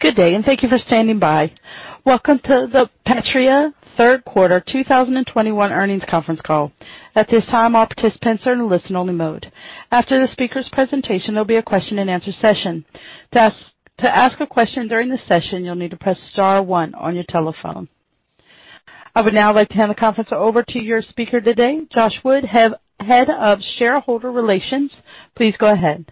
Good day, and thank you for standing by. Welcome to the Patria third quarter 2021 earnings conference call. At this time, all participants are in listen only mode. After the speaker's presentation, there'll be a question and answer session. To ask a question during the session, you'll need to press star one on your telephone. I would now like to hand the conference over to your speaker today, Josh Wood, Head of Shareholder Relations. Please go ahead.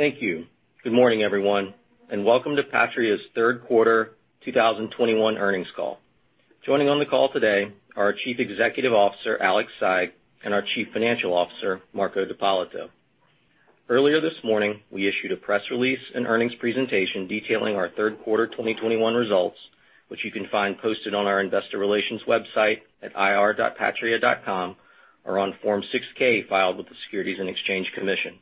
Thank you. Good morning, everyone, and welcome to Patria's third quarter 2021 earnings call. Joining on the call today are our Chief Executive Officer, Alexandre Saigh, and our Chief Financial Officer, Marco D'Ippolito. Earlier this morning, we issued a press release and earnings presentation detailing our third quarter 2021 results, which you can find posted on our investor relations website at ir.patria.com or on Form 6-K filed with the Securities and Exchange Commission.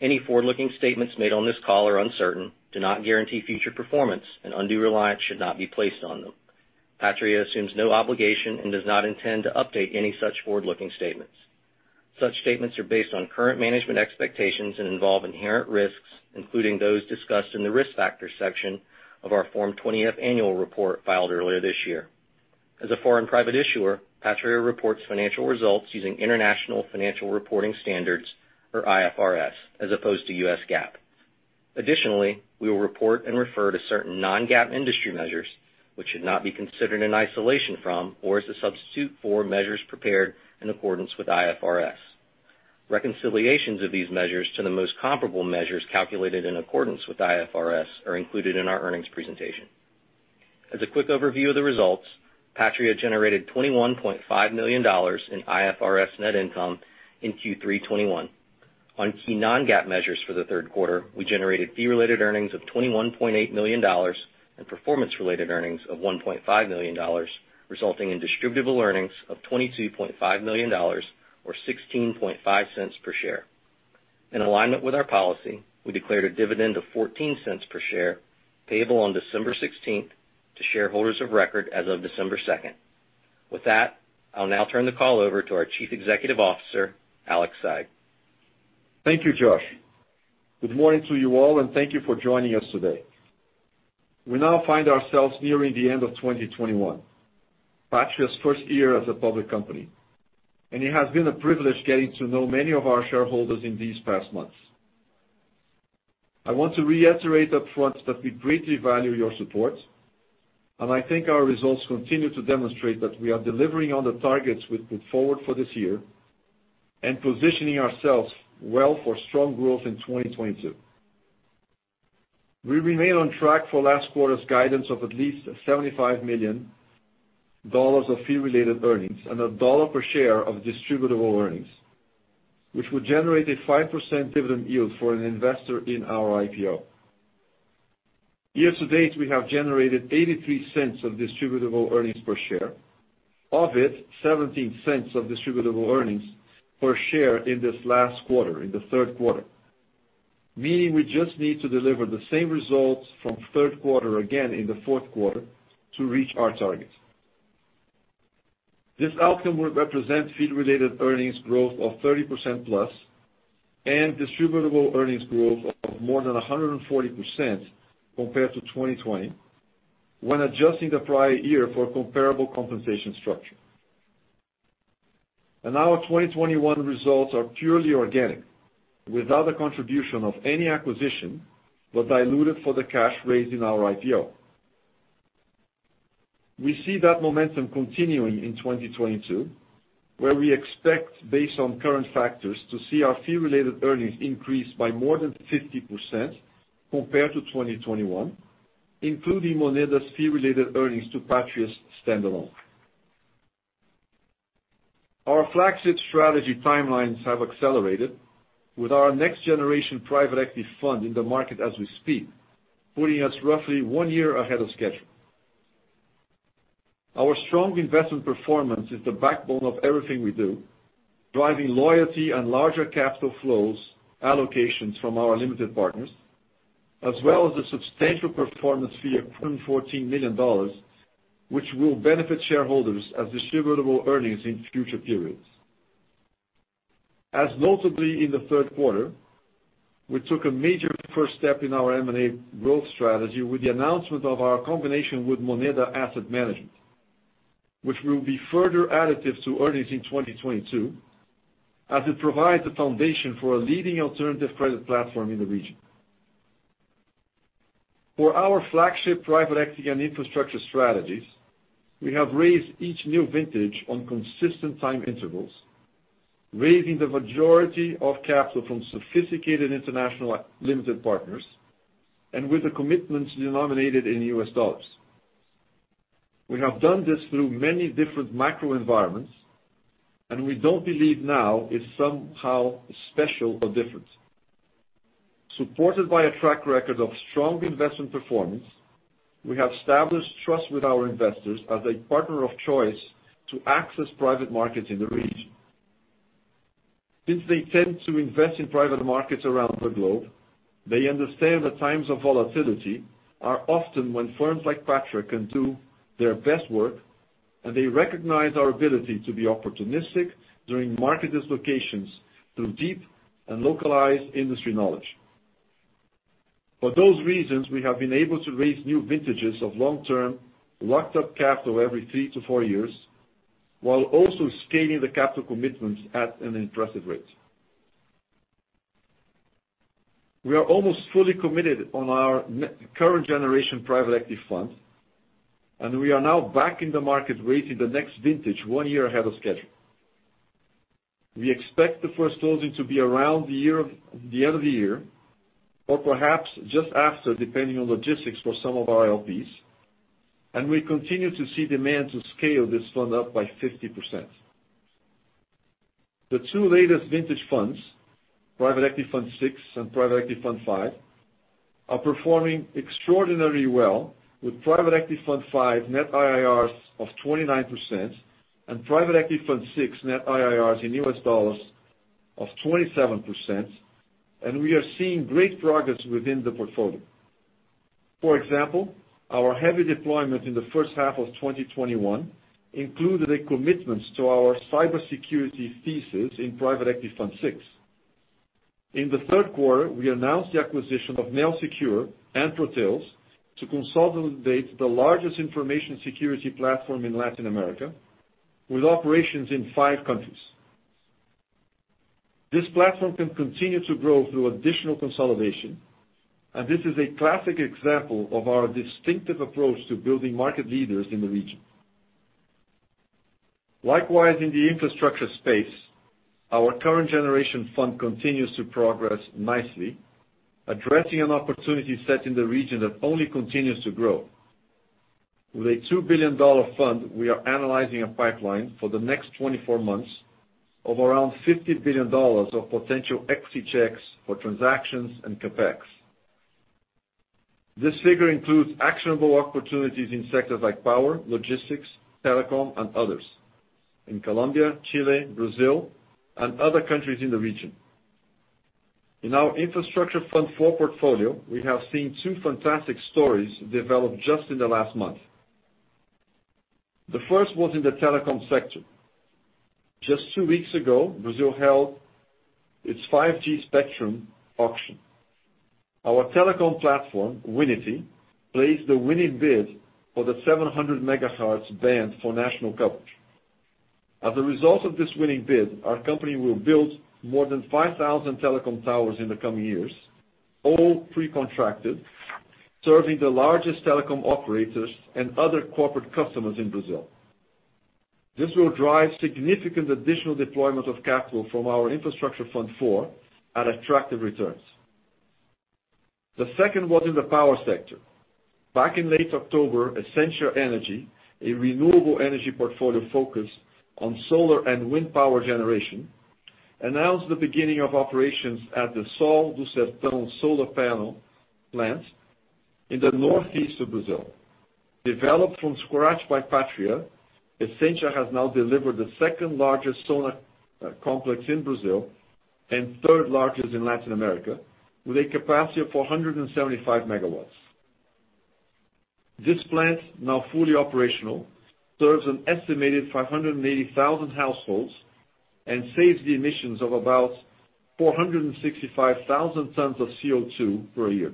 Any forward-looking statements made on this call are uncertain, do not guarantee future performance, and undue reliance should not be placed on them. Patria assumes no obligation and does not intend to update any such forward-looking statements. Such statements are based on current management expectations and involve inherent risks, including those discussed in the Risk Factors section of our Form 20-F annual report filed earlier this year. As a foreign private issuer, Patria reports financial results using International Financial Reporting Standards, or IFRS, as opposed to U.S. GAAP. Additionally, we will report and refer to certain non-GAAP industry measures, which should not be considered in isolation from or as a substitute for measures prepared in accordance with IFRS. Reconciliations of these measures to the most comparable measures calculated in accordance with IFRS are included in our earnings presentation. As a quick overview of the results, Patria generated $21.5 million in IFRS net income in Q3 2021. On key non-GAAP measures for the third quarter, we generated fee related earnings of $21.8 million and performance-related earnings of $1.5 million, resulting in distributable earnings of $22.5 million or $0.165 per share. In alignment with our policy, we declared a dividend of $0.14 per share payable on December sixteenth to shareholders of record as of December second. With that, I'll now turn the call over to our Chief Executive Officer, Alexandre Saigh. Thank you, Josh. Good morning to you all, and thank you for joining us today. We now find ourselves nearing the end of 2021, Patria's first year as a public company, and it has been a privilege getting to know many of our shareholders in these past months. I want to reiterate upfront that we greatly value your support, and I think our results continue to demonstrate that we are delivering on the targets we put forward for this year and positioning ourselves well for strong growth in 2022. We remain on track for last quarter's guidance of at least $75 million of Fee Related Earnings and $1 per share of Distributable Earnings, which would generate a 5% dividend yield for an investor in our IPO. Year to date, we have generated $0.83 of Distributable Earnings per share, of which $0.17 of Distributable Earnings per share in this last quarter, in the third quarter, meaning we just need to deliver the same results from third quarter again in the fourth quarter to reach our target. This outcome would represent Fee Related Earnings growth of 30%+ and Distributable Earnings growth of more than 140% compared to 2020 when adjusting the prior year for comparable compensation structure. Our 2021 results are purely organic, without the contribution of any acquisition, but diluted for the cash raised in our IPO. We see that momentum continuing in 2022, where we expect, based on current factors, to see our Fee Related Earnings increase by more than 50% compared to 2021, including Moneda's Fee Related Earnings to Patria's standalone. Our flagship strategy timelines have accelerated with our next generation private equity fund in the market as we speak, putting us roughly one year ahead of schedule. Our strong investment performance is the backbone of everything we do, driving loyalty and larger capital flows allocations from our limited partners, as well as a substantial performance fee of $214 million, which will benefit shareholders as Distributable Earnings in future periods. Notably in the third quarter, we took a major first step in our M&A growth strategy with the announcement of our combination with Moneda Asset Management, which will be further additive to earnings in 2022 as it provides the foundation for a leading alternative credit platform in the region. For our flagship private equity and infrastructure strategies, we have raised each new vintage on consistent time intervals, raising the majority of capital from sophisticated international limited partners and with the commitments denominated in U.S. dollars. We have done this through many different macro environments, and we don't believe now is somehow special or different. Supported by a track record of strong investment performance, we have established trust with our investors as a partner of choice to access private markets in the region. Since they tend to invest in private markets around the globe, they understand the times of volatility are often when firms like Patria can do their best work, and they recognize our ability to be opportunistic during market dislocations through deep and localized industry knowledge. For those reasons, we have been able to raise new vintages of long-term locked-up capital every 3-4 years, while also scaling the capital commitments at an impressive rate. We are almost fully committed on our current generation private equity fund, and we are now back in the market raising the next vintage 1 year ahead of schedule. We expect the first closing to be around the end of the year, or perhaps just after, depending on logistics for some of our LPs, and we continue to see demand to scale this fund up by 50%. The two latest vintage funds, Private Equity Fund VI and Private Equity Fund V, are performing extraordinarily well, with Private Equity Fund V net IRRs of 29% and Private Equity Fund VI net IRRs in US dollars of 27%, and we are seeing great progress within the portfolio. For example, our heavy deployment in the first half of 2021 included a commitment to our cybersecurity thesis in Private Equity Fund VI. In the third quarter, we announced the acquisition of NeoSecure and Proteus to consolidate the largest information security platform in Latin America with operations in five countries. This platform can continue to grow through additional consolidation, and this is a classic example of our distinctive approach to building market leaders in the region. Likewise, in the infrastructure space, our current generation fund continues to progress nicely, addressing an opportunity set in the region that only continues to grow. With a $2 billion fund, we are analyzing a pipeline for the next 24 months of around $50 billion of potential equity checks for transactions and CapEx. This figure includes actionable opportunities in sectors like power, logistics, telecom, and others, in Colombia, Chile, Brazil, and other countries in the region. In our infrastructure fund four portfolio, we have seen two fantastic stories develop just in the last month. The first was in the telecom sector. Just two weeks ago, Brazil held its 5G spectrum auction. Our telecom platform, Winity, placed the winning bid for the 700 megahertz band for national coverage. As a result of this winning bid, our company will build more than 5,000 telecom towers in the coming years, all pre-contracted, serving the largest telecom operators and other corporate customers in Brazil. This will drive significant additional deployment of capital from our Infrastructure Fund IV at attractive returns. The second was in the power sector. Back in late October, Essentia Energia, a renewable energy portfolio focused on solar and wind power generation, announced the beginning of operations at the Sol do Sertão solar panel plant in the northeast of Brazil. Developed from scratch by Patria, Essentia Energia has now delivered the second-largest solar complex in Brazil and third-largest in Latin America with a capacity of 475 MW. This plant, now fully operational, serves an estimated 580,000 households and saves the emissions of about 465,000 tons of CO2 per year.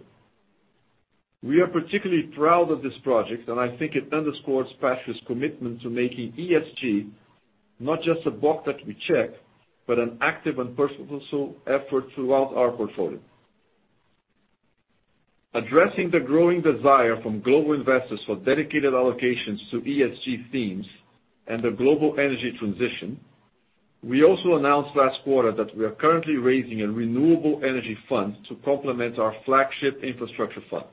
We are particularly proud of this project, and I think it underscores Patria's commitment to making ESG not just a box that we check, but an active and purposeful effort throughout our portfolio. Addressing the growing desire from global investors for dedicated allocations to ESG themes and the global energy transition, we also announced last quarter that we are currently raising a renewable energy fund to complement our flagship infrastructure fund.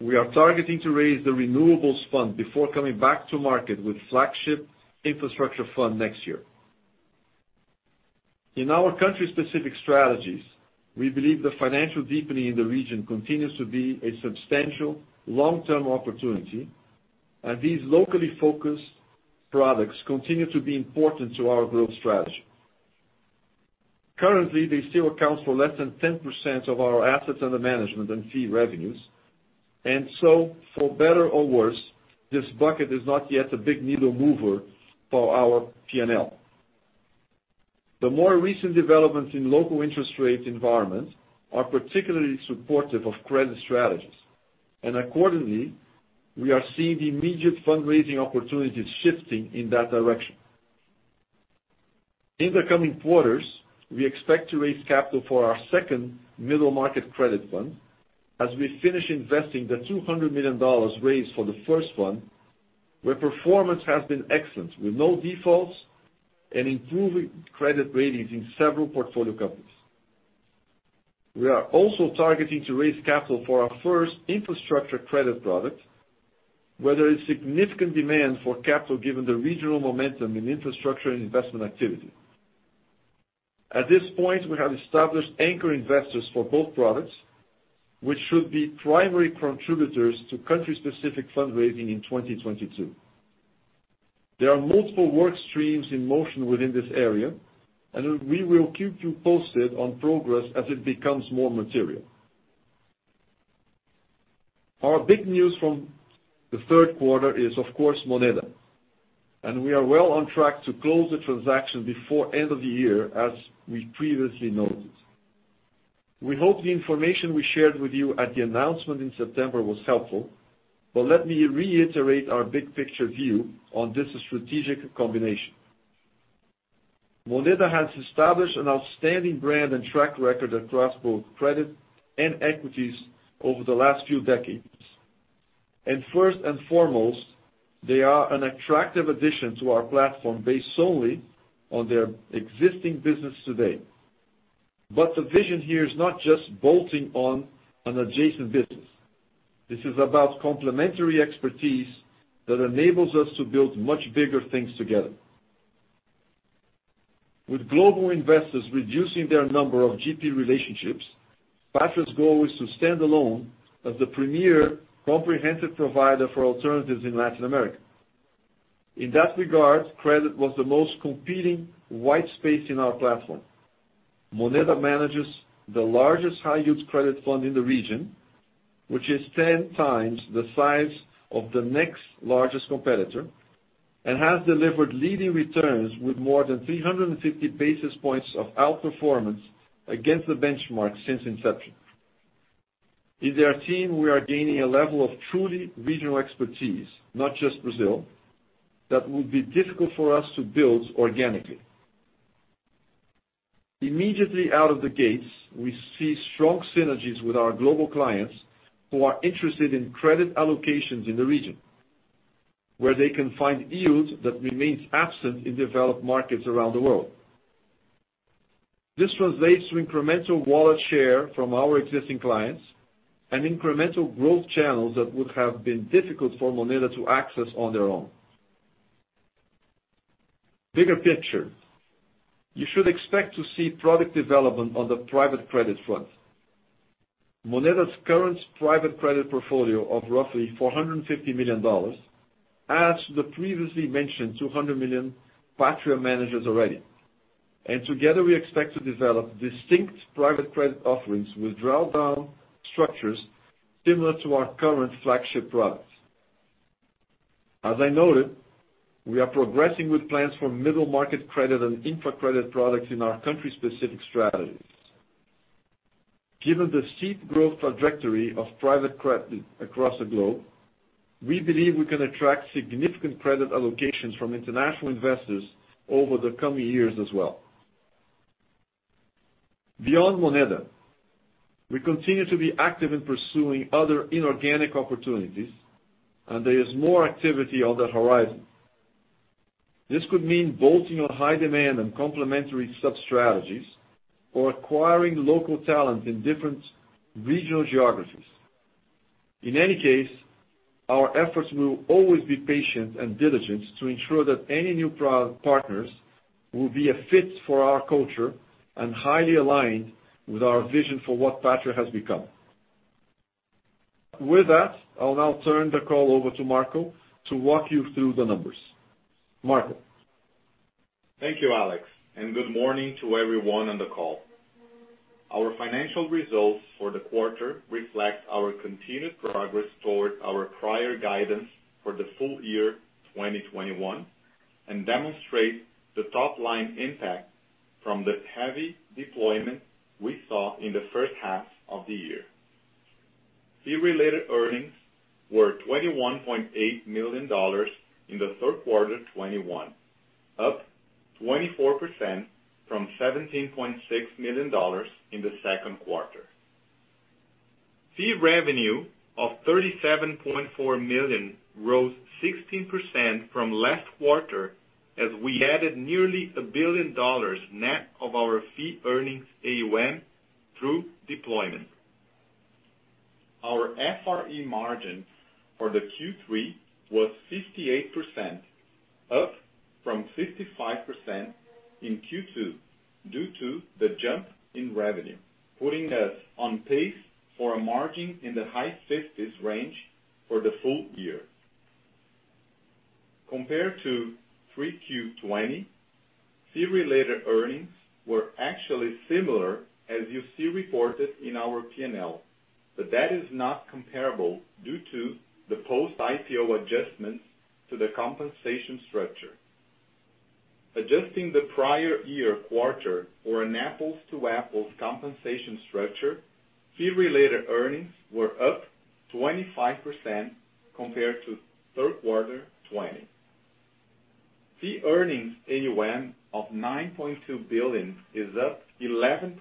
We are targeting to raise the renewables fund before coming back to market with flagship infrastructure fund next year. In our country-specific strategies, we believe the financial deepening in the region continues to be a substantial long-term opportunity, and these locally focused products continue to be important to our growth strategy. Currently, they still account for less than 10% of our assets under management and fee revenues. For better or worse, this bucket is not yet a big needle mover for our P&L. The more recent developments in local interest rate environments are particularly supportive of credit strategies, and accordingly, we are seeing the immediate fundraising opportunities shifting in that direction. In the coming quarters, we expect to raise capital for our second middle market credit fund as we finish investing the $200 million raised for the first one, where performance has been excellent with no defaults and improving credit ratings in several portfolio companies. We are also targeting to raise capital for our first infrastructure credit product, where there is significant demand for capital given the regional momentum in infrastructure and investment activity. At this point, we have established anchor investors for both products, which should be primary contributors to country-specific fundraising in 2022. There are multiple work streams in motion within this area, and we will keep you posted on progress as it becomes more material. Our big news from the third quarter is, of course, Moneda, and we are well on track to close the transaction before end of the year, as we previously noted. We hope the information we shared with you at the announcement in September was helpful, but let me reiterate our big picture view on this strategic combination. Moneda has established an outstanding brand and track record across both credit and equities over the last few decades. First and foremost, they are an attractive addition to our platform based solely on their existing business today. The vision here is not just bolting on an adjacent business. This is about complementary expertise that enables us to build much bigger things together. With global investors reducing their number of GP relationships, Patria's goal is to stand alone as the premier comprehensive provider for alternatives in Latin America. In that regard, credit was the most competing white space in our platform. Moneda manages the largest high yield credit fund in the region, which is 10 times the size of the next largest competitor, and has delivered leading returns with more than 350 basis points of outperformance against the benchmark since inception. In their team, we are gaining a level of truly regional expertise, not just Brazil, that would be difficult for us to build organically. Immediately out of the gates, we see strong synergies with our global clients who are interested in credit allocations in the region, where they can find yields that remain absent in developed markets around the world. This translates to incremental wallet share from our existing clients and incremental growth channels that would have been difficult for Moneda to access on their own. Bigger picture, you should expect to see product development on the private credit front. Moneda's current private credit portfolio of roughly $450 million adds the previously mentioned $200 million Patria manages already. Together, we expect to develop distinct private credit offerings with drawdown structures similar to our current flagship products. As I noted, we are progressing with plans for middle market credit and infra credit products in our country-specific strategies. Given the steep growth trajectory of private credit across the globe, we believe we can attract significant credit allocations from international investors over the coming years as well. Beyond Moneda, we continue to be active in pursuing other inorganic opportunities, and there is more activity on the horizon. This could mean bolting on high demand and complementary sub-strategies or acquiring local talent in different regional geographies. In any case, our efforts will always be patient and diligent to ensure that any new partners will be a fit for our culture and highly aligned with our vision for what Patria has become. With that, I'll now turn the call over to Marco to walk you through the numbers. Marco? Thank you, Alex, and good morning to everyone on the call. Our financial results for the quarter reflect our continued progress toward our prior guidance for the full year 2021, and demonstrate the top line impact from the heavy deployment we saw in the first half of the year. Fee-related earnings were $21.8 million in the third quarter 2021, up 24% from $17.6 million in the second quarter. Fee revenue of $37.4 million rose 16% from last quarter as we added nearly $1 billion net of our fee-earning AUM through deployment. Our FRE margin for the Q3 was 58%, up from 55% in Q2 due to the jump in revenue, putting us on pace for a margin in the high 50s range for the full year. Compared to Q3 2020, fee-related earnings were actually similar as you see reported in our P&L, but that is not comparable due to the post-IPO adjustments to the compensation structure. Adjusting the prior year quarter to an apples-to-apples compensation structure, fee-related earnings were up 25% compared to third quarter 2020. Fee-Earning AUM of $9.2 billion is up 11%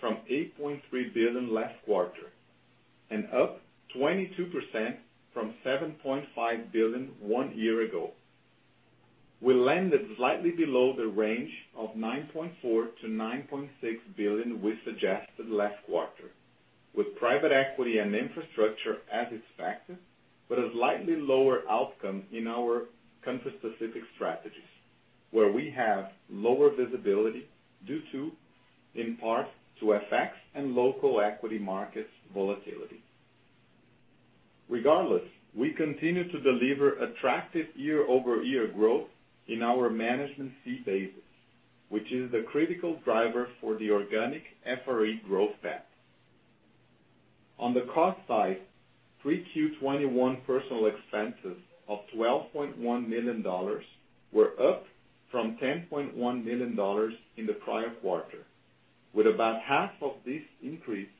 from $8.3 billion last quarter, and up 22% from $7.5 billion one year ago. We landed slightly below the range of $9.4 billion-$9.6 billion we suggested last quarter, with private equity and infrastructure as expected, but a slightly lower outcome in our country-specific strategies, where we have lower visibility due to, in part, FX and local equity markets volatility. Regardless, we continue to deliver attractive year-over-year growth in our management fee basis, which is the critical driver for the organic FRE growth path. On the cost side, 3Q 2021 personnel expenses of $12.1 million were up from $10.1 million in the prior quarter, with about half of this increase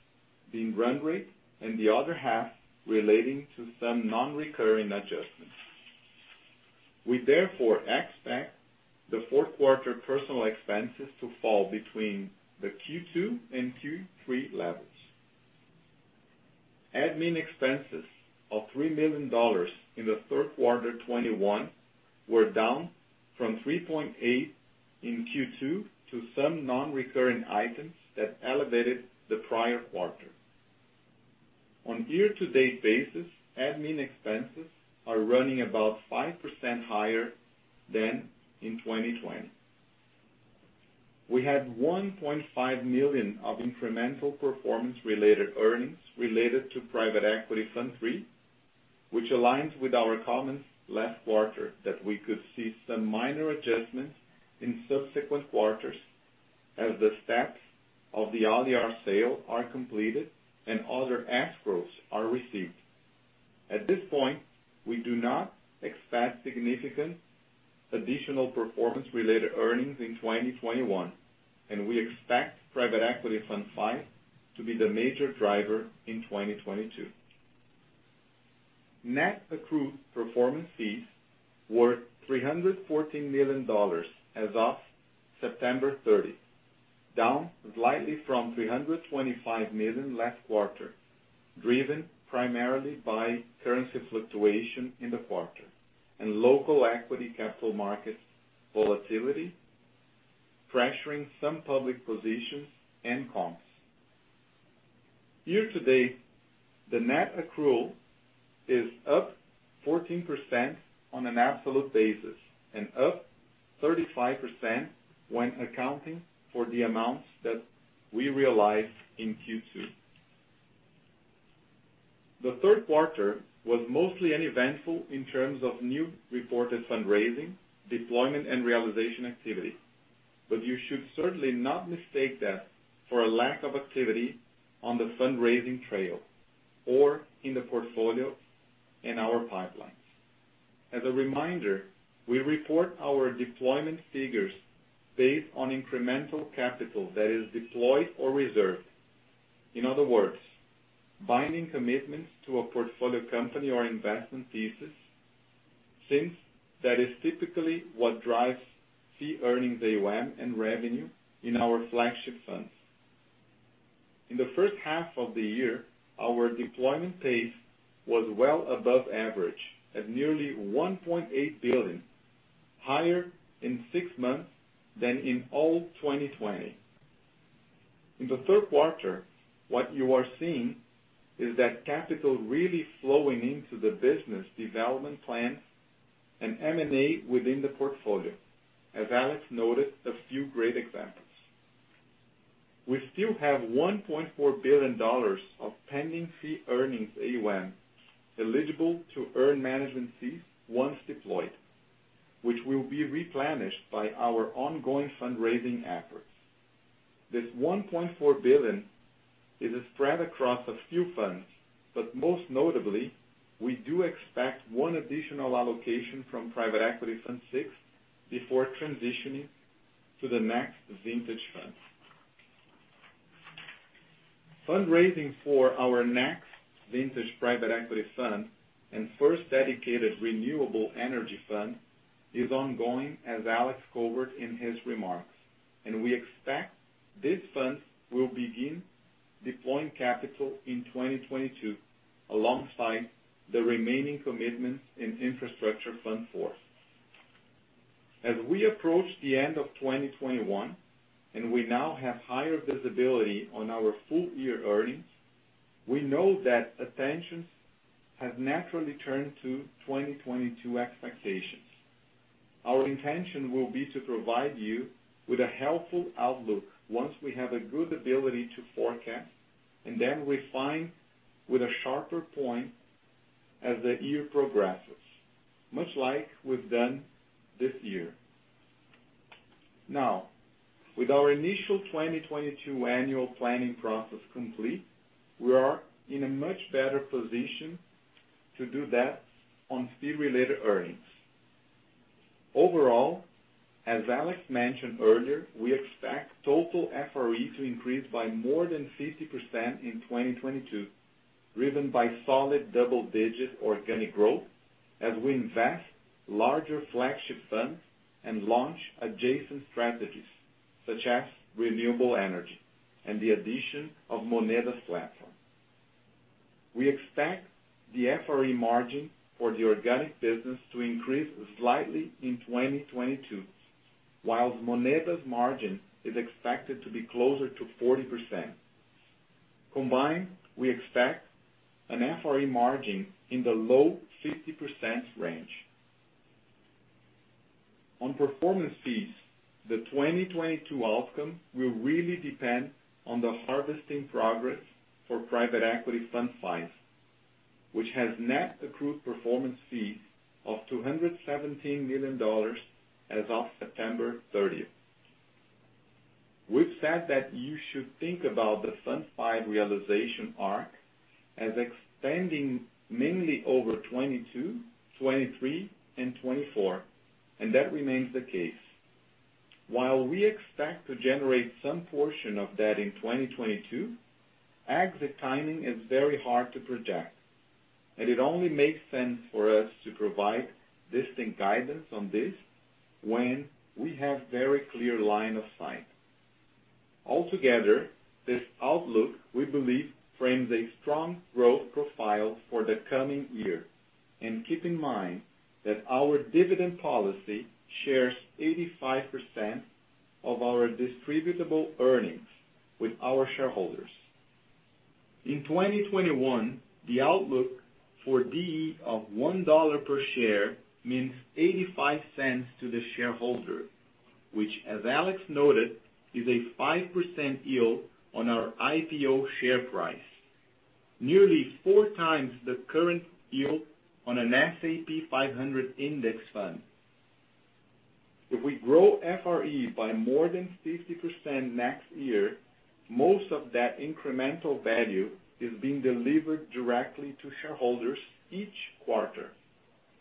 being run rate and the other half relating to some non-recurring adjustments. We therefore expect the fourth quarter personnel expenses to fall between the Q2 and Q3 levels. Admin expenses of $3 million in the third quarter 2021 were down from $3.8 million in Q2 due to some non-recurring items that elevated the prior quarter. On year-to-date basis, admin expenses are running about 5% higher than in 2020. We had $1.5 million of incremental performance-related earnings related to Private Equity Fund III, which aligns with our comments last quarter that we could see some minor adjustments in subsequent quarters as the steps of the Alliar sale are completed and other escrows are received. At this point, we do not expect significant additional performance-related earnings in 2021, and we expect Private Equity Fund V to be the major driver in 2022. Net accrued performance fees were $314 million as of September 30, down slightly from $325 million last quarter, driven primarily by currency fluctuation in the quarter and local equity capital market volatility, pressuring some public positions and comps. Year to date, the net accrual is up 14% on an absolute basis, and up 35% when accounting for the amounts that we realized in Q2. The third quarter was mostly uneventful in terms of new reported fundraising, deployment, and realization activity. You should certainly not mistake that for a lack of activity on the fundraising trail or in the portfolio in our pipelines. As a reminder, we report our deployment figures based on incremental capital that is deployed or reserved. In other words, binding commitments to a portfolio company or investment thesis, since that is typically what drives Fee-Earning AUM and revenue in our flagship funds. In the first half of the year, our deployment pace was well above average at nearly $1.8 billion, higher in six months than in all 2020. In the third quarter, what you are seeing is that capital really flowing into the business development plans and M&A within the portfolio, as Alex noted a few great examples. We still have $1.4 billion of pending fee-earning AUM eligible to earn management fees once deployed, which will be replenished by our ongoing fundraising efforts. This $1.4 billion is spread across a few funds, but most notably, we do expect one additional allocation from Private Equity Fund VI before transitioning to the next vintage fund. Fundraising for our next vintage private equity fund and first dedicated renewable energy fund is ongoing, as Alex covered in his remarks. We expect these funds will begin deploying capital in 2022 alongside the remaining commitments in Infrastructure Fund IV. As we approach the end of 2021, we now have higher visibility on our full-year earnings. We know that attention has naturally turned to 2022 expectations. Our intention will be to provide you with a helpful outlook once we have a good ability to forecast, and then refine with a sharper point as the year progresses, much like we've done this year. Now, with our initial 2022 annual planning process complete, we are in a much better position to do that on Fee-Related Earnings. Overall, as Alex mentioned earlier, we expect total FRE to increase by more than 50% in 2022, driven by solid double-digit organic growth as we invest larger flagship funds and launch adjacent strategies such as renewable energy and the addition of Moneda's platform. We expect the FRE margin for the organic business to increase slightly in 2022, while Moneda's margin is expected to be closer to 40%. Combined, we expect an FRE margin in the low 50% range. On performance fees, the 2022 outcome will really depend on the harvesting progress for Private Equity Fund V, which has net accrued performance fees of $217 million as of September 30. We've said that you should think about the Fund V realization arc as extending mainly over 2022, 2023 and 2024, and that remains the case. While we expect to generate some portion of that in 2022, exit timing is very hard to project, and it only makes sense for us to provide distinct guidance on this when we have very clear line of sight. Altogether, this outlook, we believe, frames a strong growth profile for the coming year. Keep in mind that our dividend policy shares 85% of our distributable earnings with our shareholders. In 2021, the outlook for DE of $1 per share means $0.85 to the shareholder, which, as Alex noted, is a 5% yield on our IPO share price, nearly four times the current yield on an S&P 500 index fund. If we grow FRE by more than 50% next year, most of that incremental value is being delivered directly to shareholders each quarter.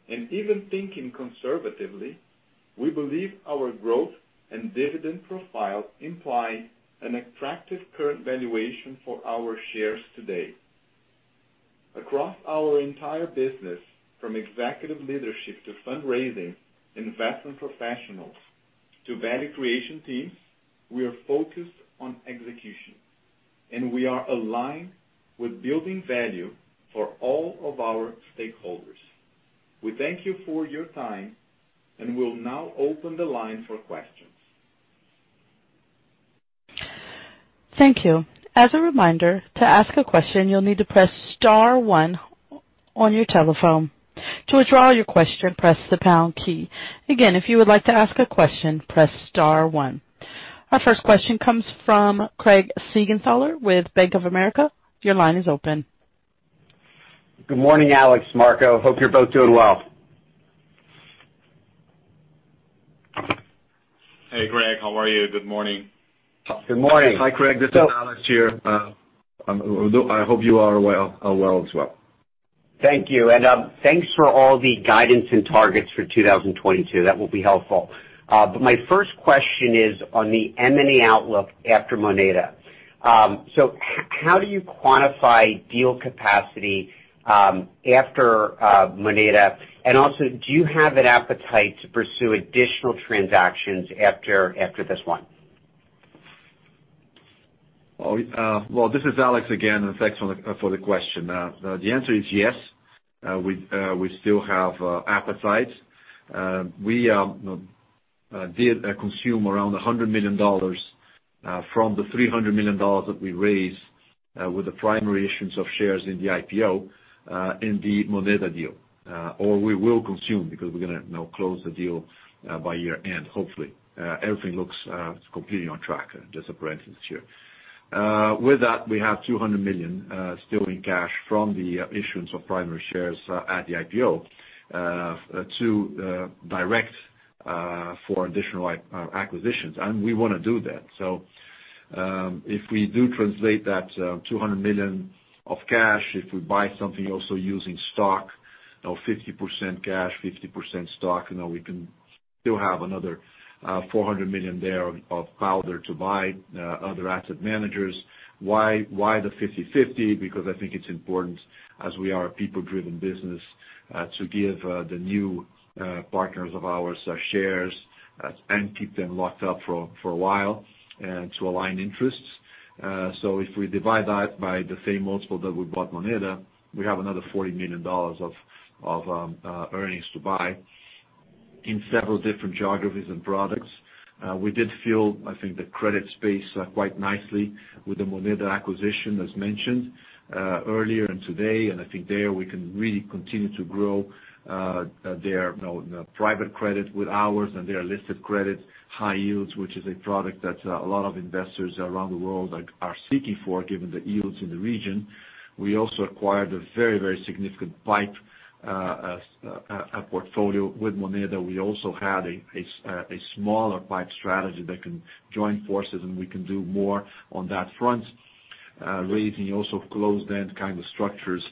Even thinking conservatively, we believe our growth and dividend profile imply an attractive current valuation for our shares today. Across our entire business, from executive leadership to fundraising, investment professionals to value creation teams, we are focused on execution, and we are aligned with building value for all of our stakeholders. We thank you for your time, and we'll now open the line for questions. Thank you. As a reminder, to ask a question, you'll need to press star one on your telephone. To withdraw your question, press the pound key. Again, if you would like to ask a question, press star one. Our first question comes from Craig Siegenthaler with Bank of America. Your line is open. Good morning, Alex, Marco. Hope you're both doing well. Hey, Craig. How are you? Good morning. Good morning. Hi, Craig. This is Alex here. I hope you are well. Thank you. Thanks for all the guidance and targets for 2022. That will be helpful. My first question is on the M&A outlook after Moneda. How do you quantify deal capacity after Moneda? And also, do you have an appetite to pursue additional transactions after this one? This is Alex again, and thanks for the question. The answer is yes. We still have appetite. We did consume around $100 million from the $300 million that we raised with the primary issuance of shares in the IPO in the Moneda deal, or we will consume because we're gonna now close the deal by year-end, hopefully. Everything looks completely on track, just a parenthesis here. With that, we have $200 million still in cash from the issuance of primary shares at the IPO to deploy for additional acquisitions, and we wanna do that. If we do translate that $200 million of cash, if we buy something also using stock, you know, 50% cash, 50% stock, you know, we can still have another $400 million there of powder to buy other asset managers. Why the 50-50? Because I think it's important, as we are a people-driven business, to give the new partners of ours shares and keep them locked up for a while to align interests. If we divide that by the same multiple that we bought Moneda, we have another $40 million of earnings to buy in several different geographies and products. We did fill, I think, the credit space quite nicely with the Moneda acquisition, as mentioned earlier and today. I think there we can really continue to grow their you know private credit with ours and their listed credit high yields, which is a product that a lot of investors around the world are seeking for, given the yields in the region. We also acquired a very significant PIPE portfolio with Moneda. We also had a smaller PIPE strategy that can join forces, and we can do more on that front, raising also closed-end kind of structures.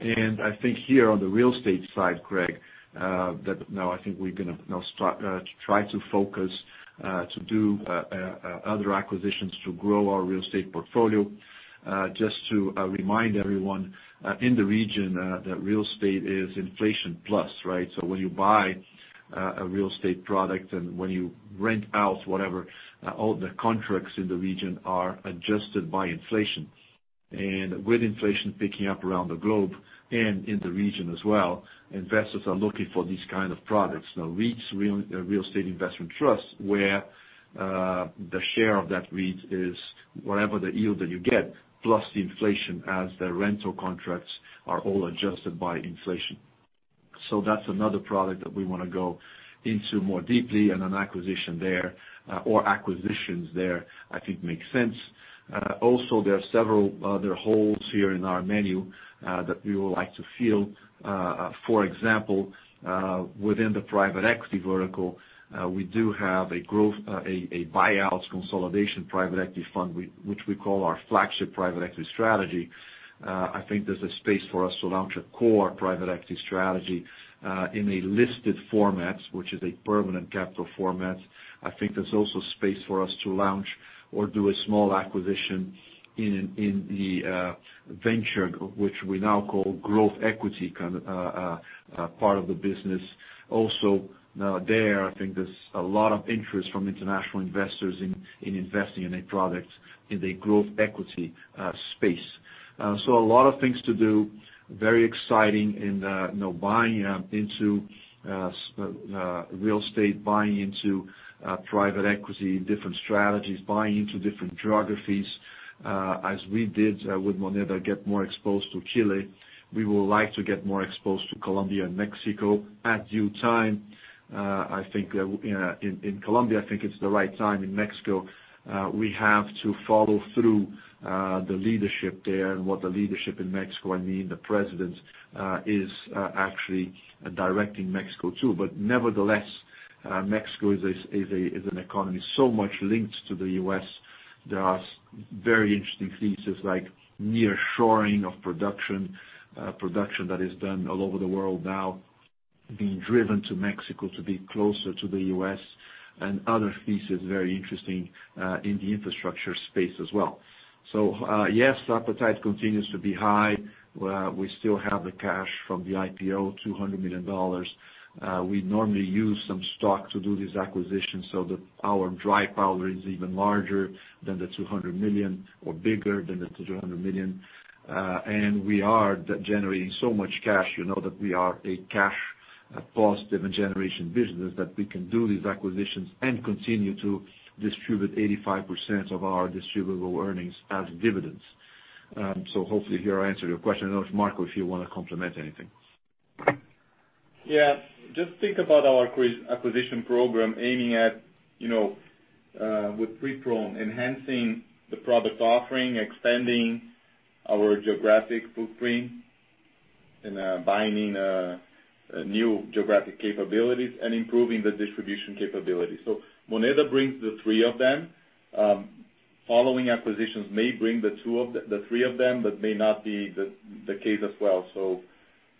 I think here on the real estate side, Craig, that now I think we're gonna start try to focus to do other acquisitions to grow our real estate portfolio. Just to remind everyone in the region that real estate is inflation plus, right? When you buy a real estate product and when you rent out whatever, all the contracts in the region are adjusted by inflation. With inflation picking up around the globe and in the region as well, investors are looking for these kind of products. Now, REITs, real estate investment trusts, where the share of that REIT is whatever the yield that you get plus the inflation as the rental contracts are all adjusted by inflation. That's another product that we wanna go into more deeply and an acquisition there or acquisitions there, I think makes sense. Also there are several other holes here in our menu that we would like to fill. For example, within the private equity vertical, we do have a buyouts consolidation private equity fund which we call our flagship private equity strategy. I think there's a space for us to launch a core private equity strategy in a listed format, which is a permanent capital format. I think there's also space for us to launch or do a small acquisition in the venture, which we now call growth equity part of the business. There, I think there's a lot of interest from international investors in investing in a product in the growth equity space. A lot of things to do. Very exciting, you know, buying into real estate, buying into private equity, different strategies, buying into different geographies, as we did with Moneda to get more exposed to Chile. We would like to get more exposed to Colombia and Mexico in due time. I think in Colombia, I think it's the right time. In Mexico, we have to follow through the leadership there and what the leadership in Mexico, I mean, the president, is actually directing Mexico to. Nevertheless, Mexico is an economy so much linked to the U.S. There are very interesting theses like nearshoring of production that is done all over the world now being driven to Mexico to be closer to the U.S., and other theses very interesting in the infrastructure space as well. Yes, appetite continues to be high. We still have the cash from the IPO, $200 million. We normally use some stock to do these acquisitions so that our dry powder is even larger than the $200 million or bigger than the $200 million. We are generating so much cash, you know, that we are a cash generative business that we can do these acquisitions and continue to distribute 85% of our Distributable Earnings as dividends. Hopefully here I answered your question. I don't know if, Marco, if you wanna comment on anything. Yeah. Just think about our acquisition program aiming at, you know, enhancing the product offering, expanding our geographic footprint, and bringing in new geographic capabilities, and improving the distribution capability. Moneda brings the three of them. Following acquisitions may bring two of the three of them, but may not be the case as well.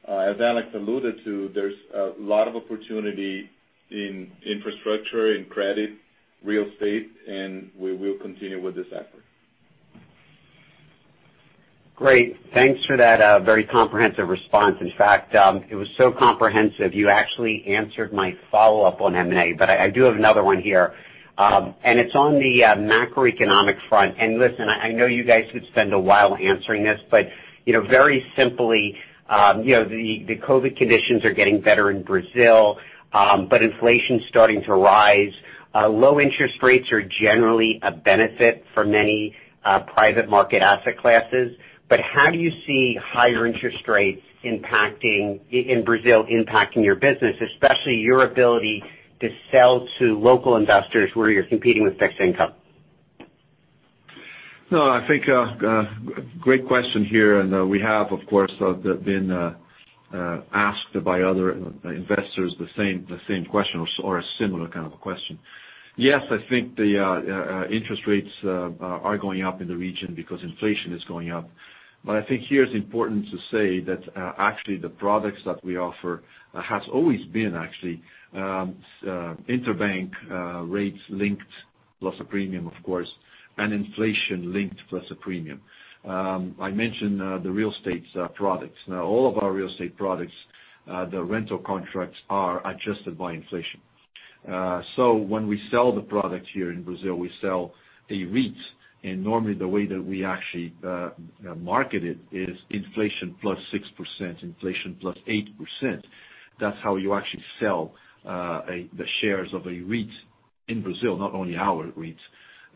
As Alex alluded to, there's a lot of opportunity in infrastructure, in credit, real estate, and we will continue with this effort. Great. Thanks for that, very comprehensive response. In fact, it was so comprehensive, you actually answered my follow-up on M&A. I do have another one here, and it's on the macroeconomic front. Listen, I know you guys could spend a while answering this, but you know, very simply, you know, the COVID conditions are getting better in Brazil, but inflation's starting to rise. Low interest rates are generally a benefit for many private market asset classes. How do you see higher interest rates impacting in Brazil impacting your business, especially your ability to sell to local investors where you're competing with fixed income? No, I think great question here, and we have, of course, been asked by other investors the same question or a similar kind of a question. Yes, I think the interest rates are going up in the region because inflation is going up. I think here it's important to say that actually, the products that we offer has always been actually interbank rates linked plus a premium, of course, and inflation linked plus a premium. I mentioned the real estate's products. Now, all of our real estate products, the rental contracts are adjusted by inflation. When we sell the product here in Brazil, we sell a REIT, and normally the way that we actually market it is inflation plus 6%, inflation plus 8%. That's how you actually sell the shares of a REIT in Brazil, not only our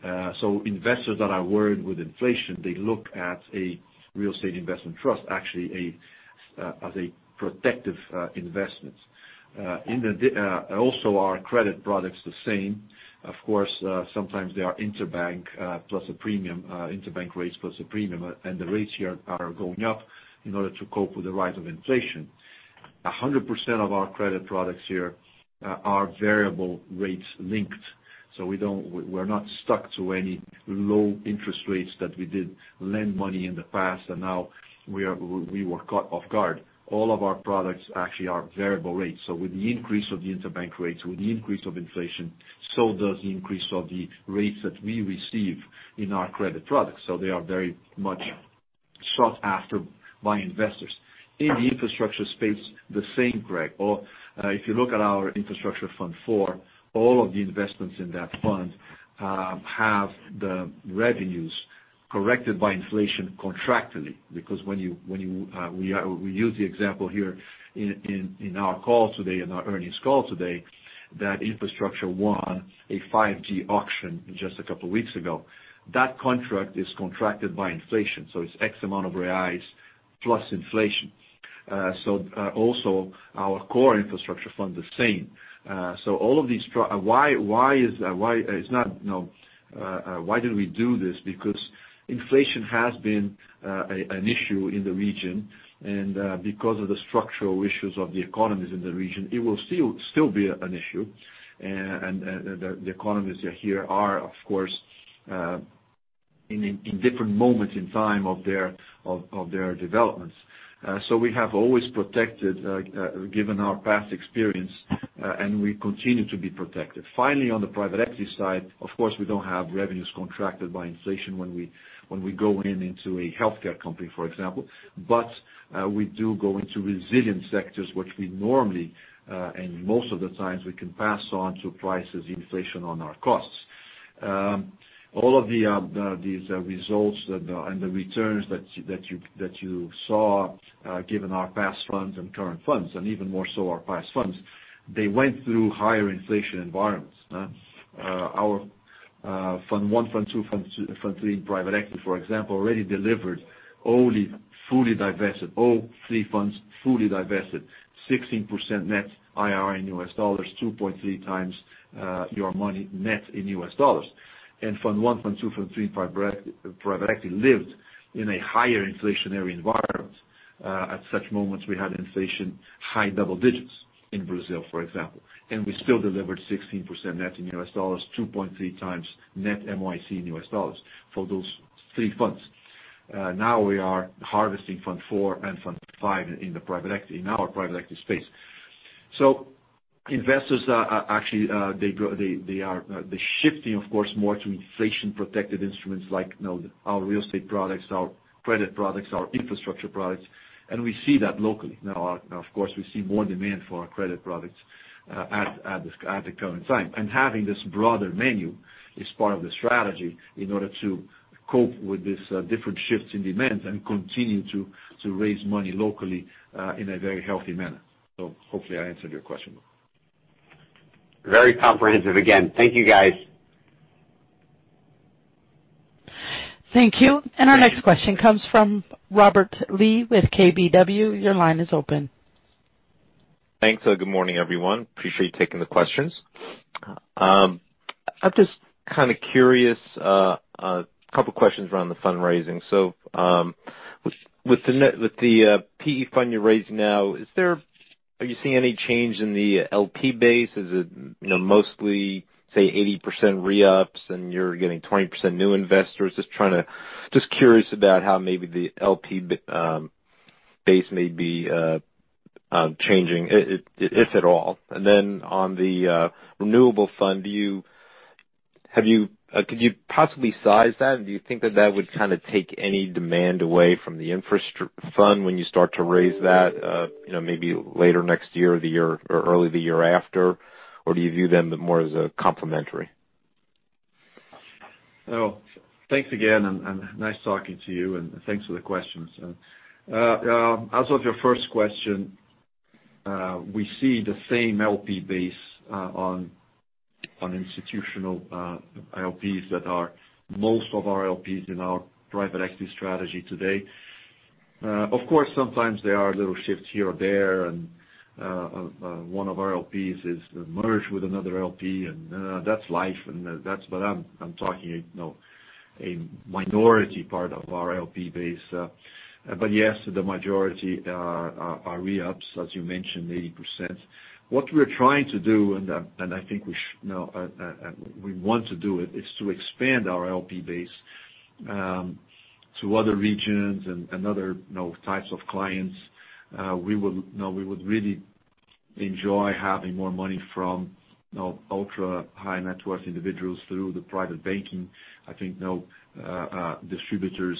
REIT. Investors that are worried with inflation, they look at a real estate investment trust actually as a protective investment. And also our credit product's the same. Of course, sometimes they are interbank plus a premium, interbank rates plus a premium, and the rates here are going up in order to cope with the rise of inflation. 100% of our credit products here are variable rates linked. We don't... We're not stuck to any low interest rates that we did lend money in the past and now we were caught off guard. All of our products actually are variable rates. With the increase of the interbank rates, with the increase of inflation, so does the increase of the rates that we receive in our credit products. They are very much sought after by investors. In the infrastructure space, the same, Craig, if you look at our Infrastructure Fund IV, all of the investments in that fund have the revenues corrected by inflation contractually. Because when you we use the example here in our call today, in our earnings call today. That infrastructure won a 5G auction just a couple weeks ago. That contract is contracted by inflation, so it's X amount of reais plus inflation. Also our core infrastructure fund the same. All of these. Why did we do this? Because inflation has been an issue in the region, and because of the structural issues of the economies in the region, it will still be an issue. The economies here are, of course, in different moments in time of their developments. We have always protected, given our past experience, and we continue to be protected. Finally, on the private equity side, of course, we don't have revenues contracted by inflation when we go into a healthcare company, for example. We do go into resilient sectors which we normally and most of the times we can pass on inflation to prices on our costs. All of these results and the returns that you saw, given our past funds and current funds, and even more so our past funds, they went through higher inflation environments. Our fund 1, fund 2, fund 3 Private Equity, for example, already delivered only fully divested, all three funds fully divested 16% Net IRR in U.S. dollars, 2.3 times your money net in U.S. dollars. Fund 1, fund 2, fund 3 Private Equity lived in a higher inflationary environment. At such moments, we had inflation high double digits in Brazil, for example, and we still delivered 16% net in U.S. dollars, 2.3 times net MOIC in U.S. dollars for those three funds. Now we are harvesting fund four and fund five in our private equity space. Investors are actually shifting of course more to inflation-protected instruments like, you know, our real estate products, our credit products, our infrastructure products, and we see that locally. Now, of course, we see more demand for our credit products at the current time. Having this broader menu is part of the strategy in order to cope with these different shifts in demand and continue to raise money locally in a very healthy manner. Hopefully I answered your question. Very comprehensive again. Thank you, guys. Thank you. Thank you. Our next question comes from Robert Lee with KBW. Your line is open. Thanks. Good morning, everyone. I appreciate you taking the questions. I'm just kind of curious, a couple questions around the fundraising. With the PE fund you're raising now, is there any change in the LP base? Is it, you know, mostly, say, 80% re-ups and you're getting 20% new investors? Just curious about how maybe the LP base may be changing, if at all. On the renewable fund, could you possibly size that? Do you think that that would kind of take any demand away from the infrastructure fund when you start to raise that, you know, maybe later next year or early the year after? Or do you view them more as a complementary? Well, thanks again, and nice talking to you, and thanks for the questions. As of your first question, we see the same LP base on institutional LPs that are most of our LPs in our private equity strategy today. Of course, sometimes there are little shifts here or there, and one of our LPs is merged with another LP, and that's life, and that's what I'm talking, you know, a minority part of our LP base. But yes, the majority are re-ups, as you mentioned, 80%. What we're trying to do, and I think we want to do it, is to expand our LP base to other regions and other, you know, types of clients. We would, you know, really enjoy having more money from, you know, ultra-high-net-worth individuals through the private banking. I think, you know, distributors,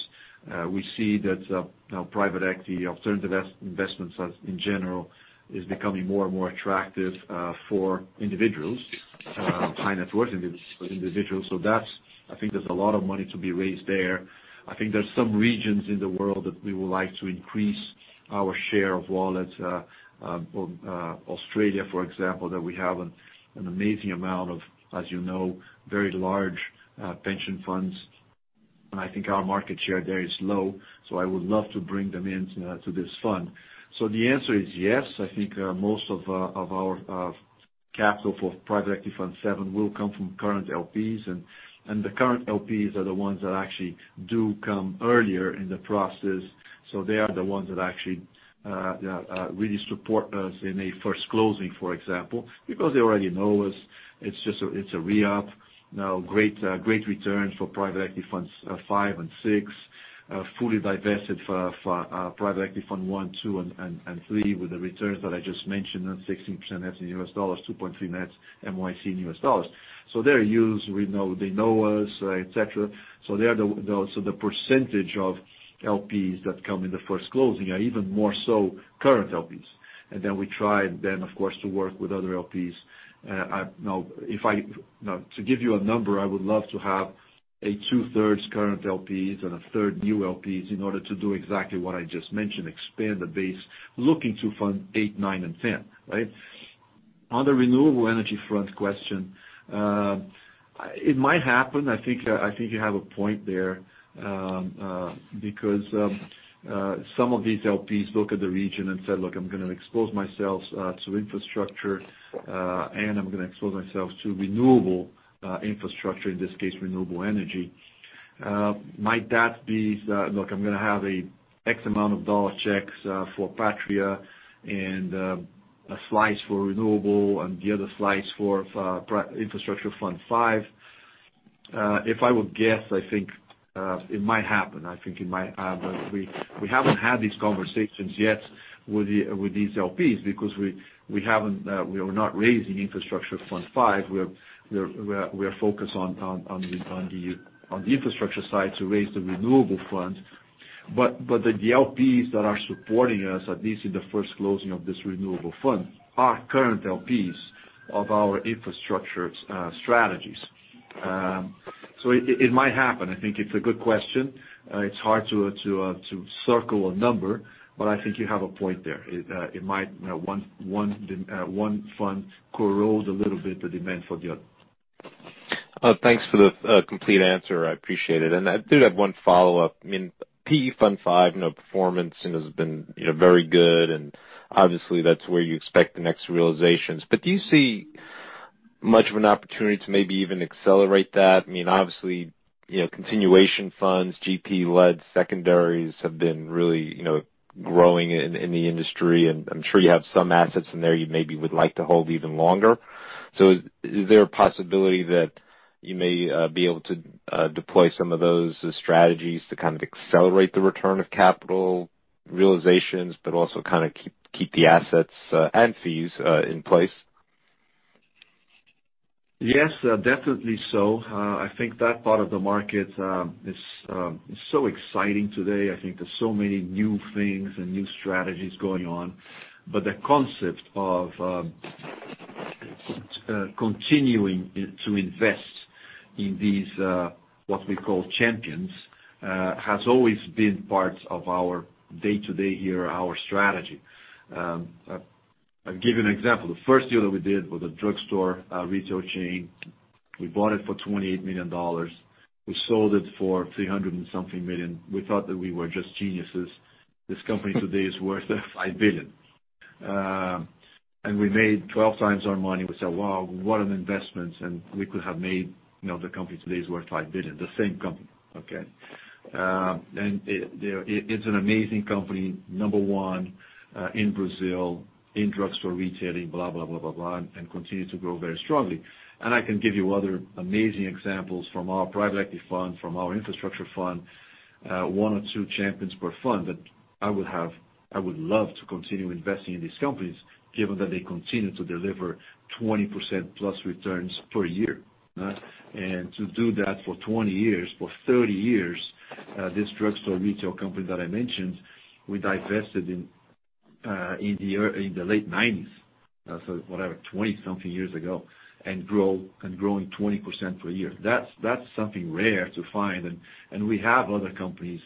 we see that, you know, private equity, alternative asset investments in general is becoming more and more attractive, for individuals, high-net-worth individuals. That's. I think there's a lot of money to be raised there. I think there's some regions in the world that we would like to increase our share of wallets, Australia for example, that we have an amazing amount of, as you know, very large, pension funds. I think our market share there is low, so I would love to bring them in to this fund. The answer is yes, I think, most of our capital for Private Equity Fund VII will come from current LPs, and the current LPs are the ones that actually do come earlier in the process. They are the ones that actually really support us in a first closing, for example, because they already know us. It's just a re-up. Now, great returns for Private Equity Funds 5 and 6. Fully divested for Private Equity Fund I, 2, and 3 with the returns that I just mentioned, 16% net in US dollars, 2.3 net MOIC in US dollars. They're used. We know. They know us, et cetera. They are the... The percentage of LPs that come in the first closing are even more so current LPs. Then we try, then, of course, to work with other LPs. To give you a number, I would love to have a two-thirds current LPs and a third new LPs in order to do exactly what I just mentioned, expand the base, looking to fund 8, 9, and 10, right? On the renewable energy front question, it might happen. I think you have a point there, because some of these LPs look at the region and say, "Look, I'm gonna expose myself to infrastructure and I'm gonna expose myself to renewable infrastructure, in this case, renewable energy." Might that be, look, I'm gonna have a X amount of dollar checks for Patria and a slice for renewable and the other slice for Infrastructure Fund V. If I would guess, I think it might happen. We haven't had these conversations yet with these LPs because we haven't. We are not raising Infrastructure Fund V. We are focused on the infrastructure side to raise the renewable funds. The LPs that are supporting us, at least in the first closing of this renewable fund, are current LPs of our infrastructure strategies. It might happen. I think it's a good question. It's hard to circle a number, but I think you have a point there. It might, you know, one fund erode a little bit the demand for the other. Thanks for the complete answer. I appreciate it. I did have one follow-up. I mean, PE Fund Five, you know, performance, you know, has been, you know, very good, and obviously that's where you expect the next realizations. Do you see much of an opportunity to maybe even accelerate that? I mean, obviously, you know, continuation funds, GP-led secondaries have been really, you know, growing in the industry, and I'm sure you have some assets in there you maybe would like to hold even longer. Is there a possibility that you may be able to deploy some of those strategies to kind of accelerate the return of capital realizations, but also kind of keep the assets and fees in place? Yes, definitely so. I think that part of the market is so exciting today. I think there's so many new things and new strategies going on. But the concept of continuing to invest in these what we call champions has always been part of our day-to-day here, our strategy. I'll give you an example. The first deal that we did was a drugstore retail chain. We bought it for $28 million. We sold it for $300-something million. We thought that we were just geniuses. This company today is worth $5 billion. And we made 12 times our money. We said, "Wow, what an investment." We could have made, you know, the company today is worth $5 billion, the same company, okay? It's an amazing company, number one in Brazil in drugstore retailing, blah, blah, blah and continue to grow very strongly. I can give you other amazing examples from our private equity fund, from our infrastructure fund, one or two champions per fund that I would love to continue investing in these companies given that they continue to deliver 20%+ returns per year, right? To do that for 20 years, for 30 years, this drugstore retail company that I mentioned, we divested in the late 1990s, so whatever, 20-something years ago, growing 20% per year. That's something rare to find. We have other companies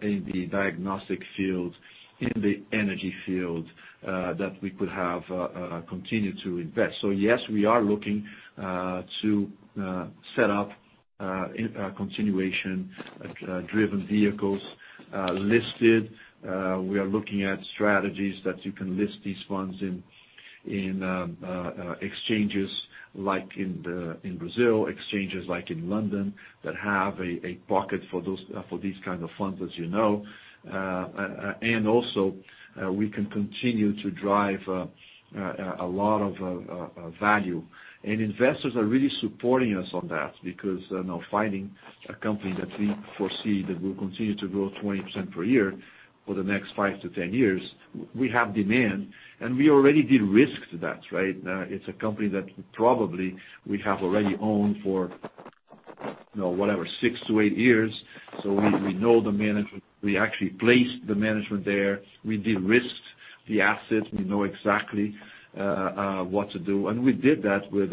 in the diagnostic field, in the energy field that we could have continued to invest. Yes, we are looking to set up in continuation driven vehicles listed. We are looking at strategies that you can list these funds in exchanges like in Brazil, exchanges like in London that have a pocket for these kind of funds, as you know. We can continue to drive a lot of value. Investors are really supporting us on that because, you know, finding a company that we foresee that will continue to grow 20% per year for the next 5-10 years, we have demand, and we already de-risked that, right? It's a company that probably we have already owned for, you know, whatever, six to eight years. We know the management. We actually placed the management there. We de-risked the assets. We know exactly what to do. We did that with,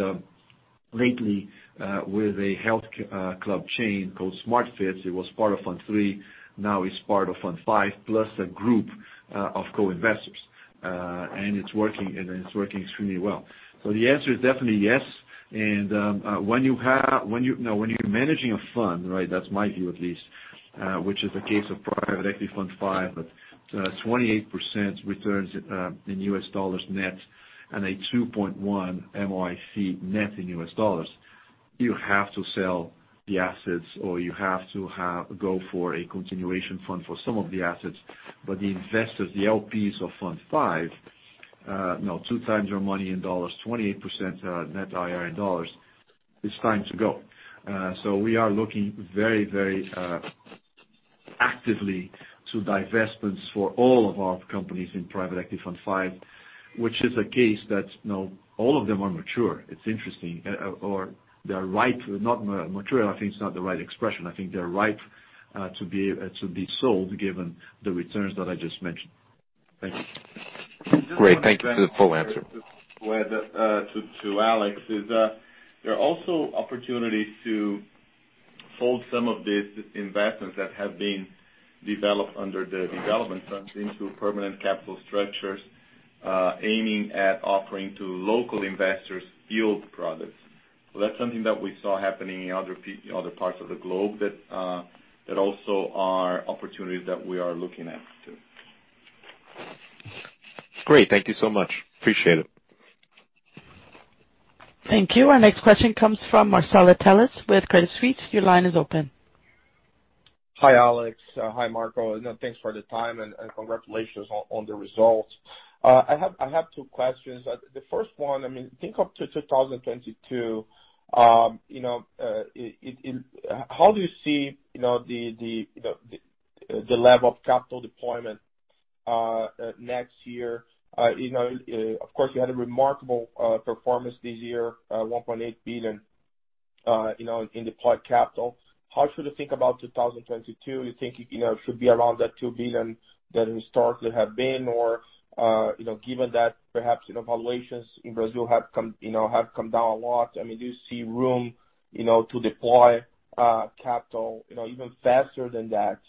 lately, with a health club chain called Smart Fit. It was part of Fund III. Now it's part of Fund Five, plus a group of co-investors. It's working extremely well. The answer is definitely yes. You know, when you're managing a fund, right? That's my view at least, which is the case of Private Equity Fund Five with 28% returns in US dollars net and a 2.1 MOIC net in US dollars. You have to sell the assets or you have to have, go for a continuation fund for some of the assets. The investors, the LPs of Fund Five, you know, two times your money in dollars, 28%, net IRR in dollars, it's time to go. We are looking very actively to divestments for all of our companies in Private Equity Fund Five, which is a case that, you know, all of them are mature. It's interesting. Or they are ripe, not mature. I think it's not the right expression. I think they're ripe to be sold given the returns that I just mentioned. Thank you. Great. Thank you for the full answer. Just to add to Alex, there are also opportunities to hold some of these investments that have been developed under the development funds into permanent capital structures, aiming at offering to local investors yield products. That's something that we saw happening in other parts of the globe that also are opportunities that we are looking at too. Great. Thank you so much. Appreciate it. Thank you. Our next question comes from Marcelo Telles with Credit Suisse. Your line is open. Hi, Alex. Hi, Marco. You know, thanks for the time, and congratulations on the results. I have two questions. The first one, I mean, think up to 2022. You know, in, how do you see the level of capital deployment next year? You know, of course, you had a remarkable performance this year, $1.8 billion in deployed capital. How should we think about 2022? You think it should be around that $2 billion that historically have been or, you know, given that perhaps valuations in Brazil have come down a lot, I mean, do you see room to deploy capital even faster than that?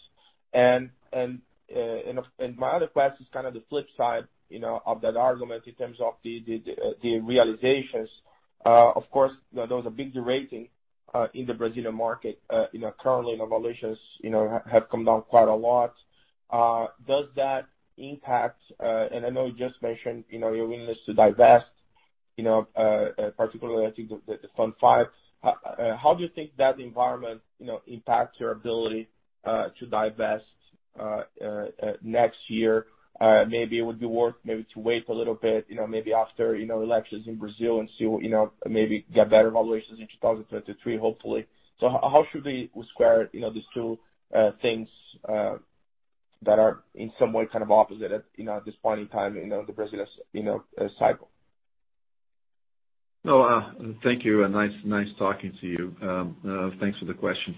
My other question is kind of the flip side, you know, of that argument in terms of the realizations. Of course, you know, there was a big derating in the Brazilian market. You know, currently the valuations, you know, have come down quite a lot. Does that impact, I know you just mentioned, you know, your willingness to divest, you know, particularly I think the Fund five. How do you think that environment, you know, impacts your ability to divest next year? Maybe it would be worth maybe to wait a little bit, you know, maybe after, you know, elections in Brazil and see what, you know, maybe get better valuations in 2023, hopefully. How should we square, you know, these two things that are in some way kind of opposite at, you know, at this point in time, you know, the Brazil's cycle? No, thank you, and nice talking to you. Thanks for the question.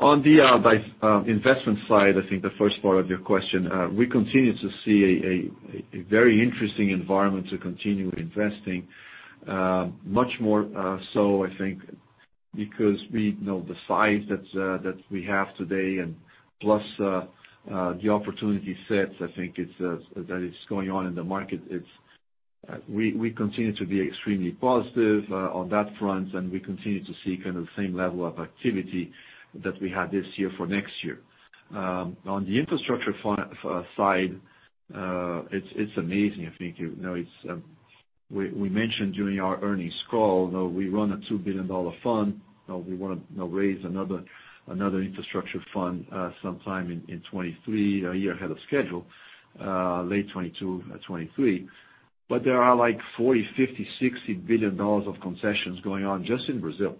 On the investment side, I think the first part of your question, we continue to see a very interesting environment to continue investing much more, so I think because we know the size that we have today and plus the opportunity sets, I think that is going on in the market, we continue to be extremely positive on that front, and we continue to see kind of the same level of activity that we had this year for next year. On the infrastructure fund side, it's amazing. I think, you know, we mentioned during our earnings call, you know, we run a $2 billion fund. You know, we wanna now raise another infrastructure fund sometime in 2023, a year ahead of schedule, late 2022, 2023. There are like $40 billion-$60 billion of concessions going on just in Brazil.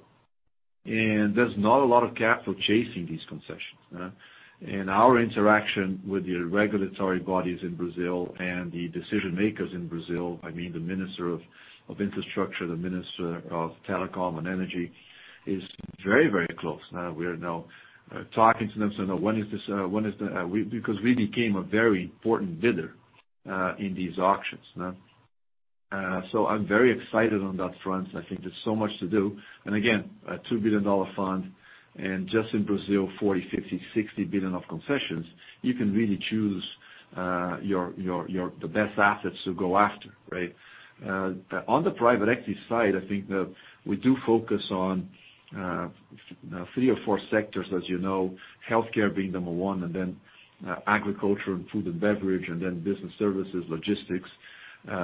There's not a lot of capital chasing these concessions. Our interaction with the regulatory bodies in Brazil and the decision makers in Brazil, I mean, the Minister of Infrastructure, the Minister of Telecom and Energy, is very, very close. Now, we are now talking to them. Now, when is this? We, because we became a very important bidder in these auctions, no? I'm very excited on that front. I think there's so much to do. Again, a $2 billion fund, just in Brazil, $40-$60 billion of concessions. You can really choose the best assets to go after, right? On the private equity side, I think that we do focus on 3 or 4 sectors, as you know, healthcare being number one, and then agriculture and food and beverage, and then business services, logistics,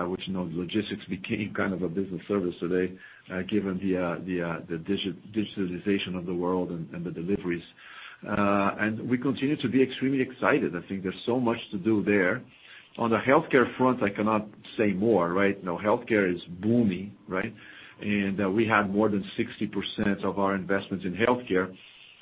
which, you know, logistics became kind of a business service today, given the digitalization of the world and the deliveries. We continue to be extremely excited. I think there's so much to do there. On the healthcare front, I cannot say more, right? You know, healthcare is booming, right? We had more than 60% of our investments in healthcare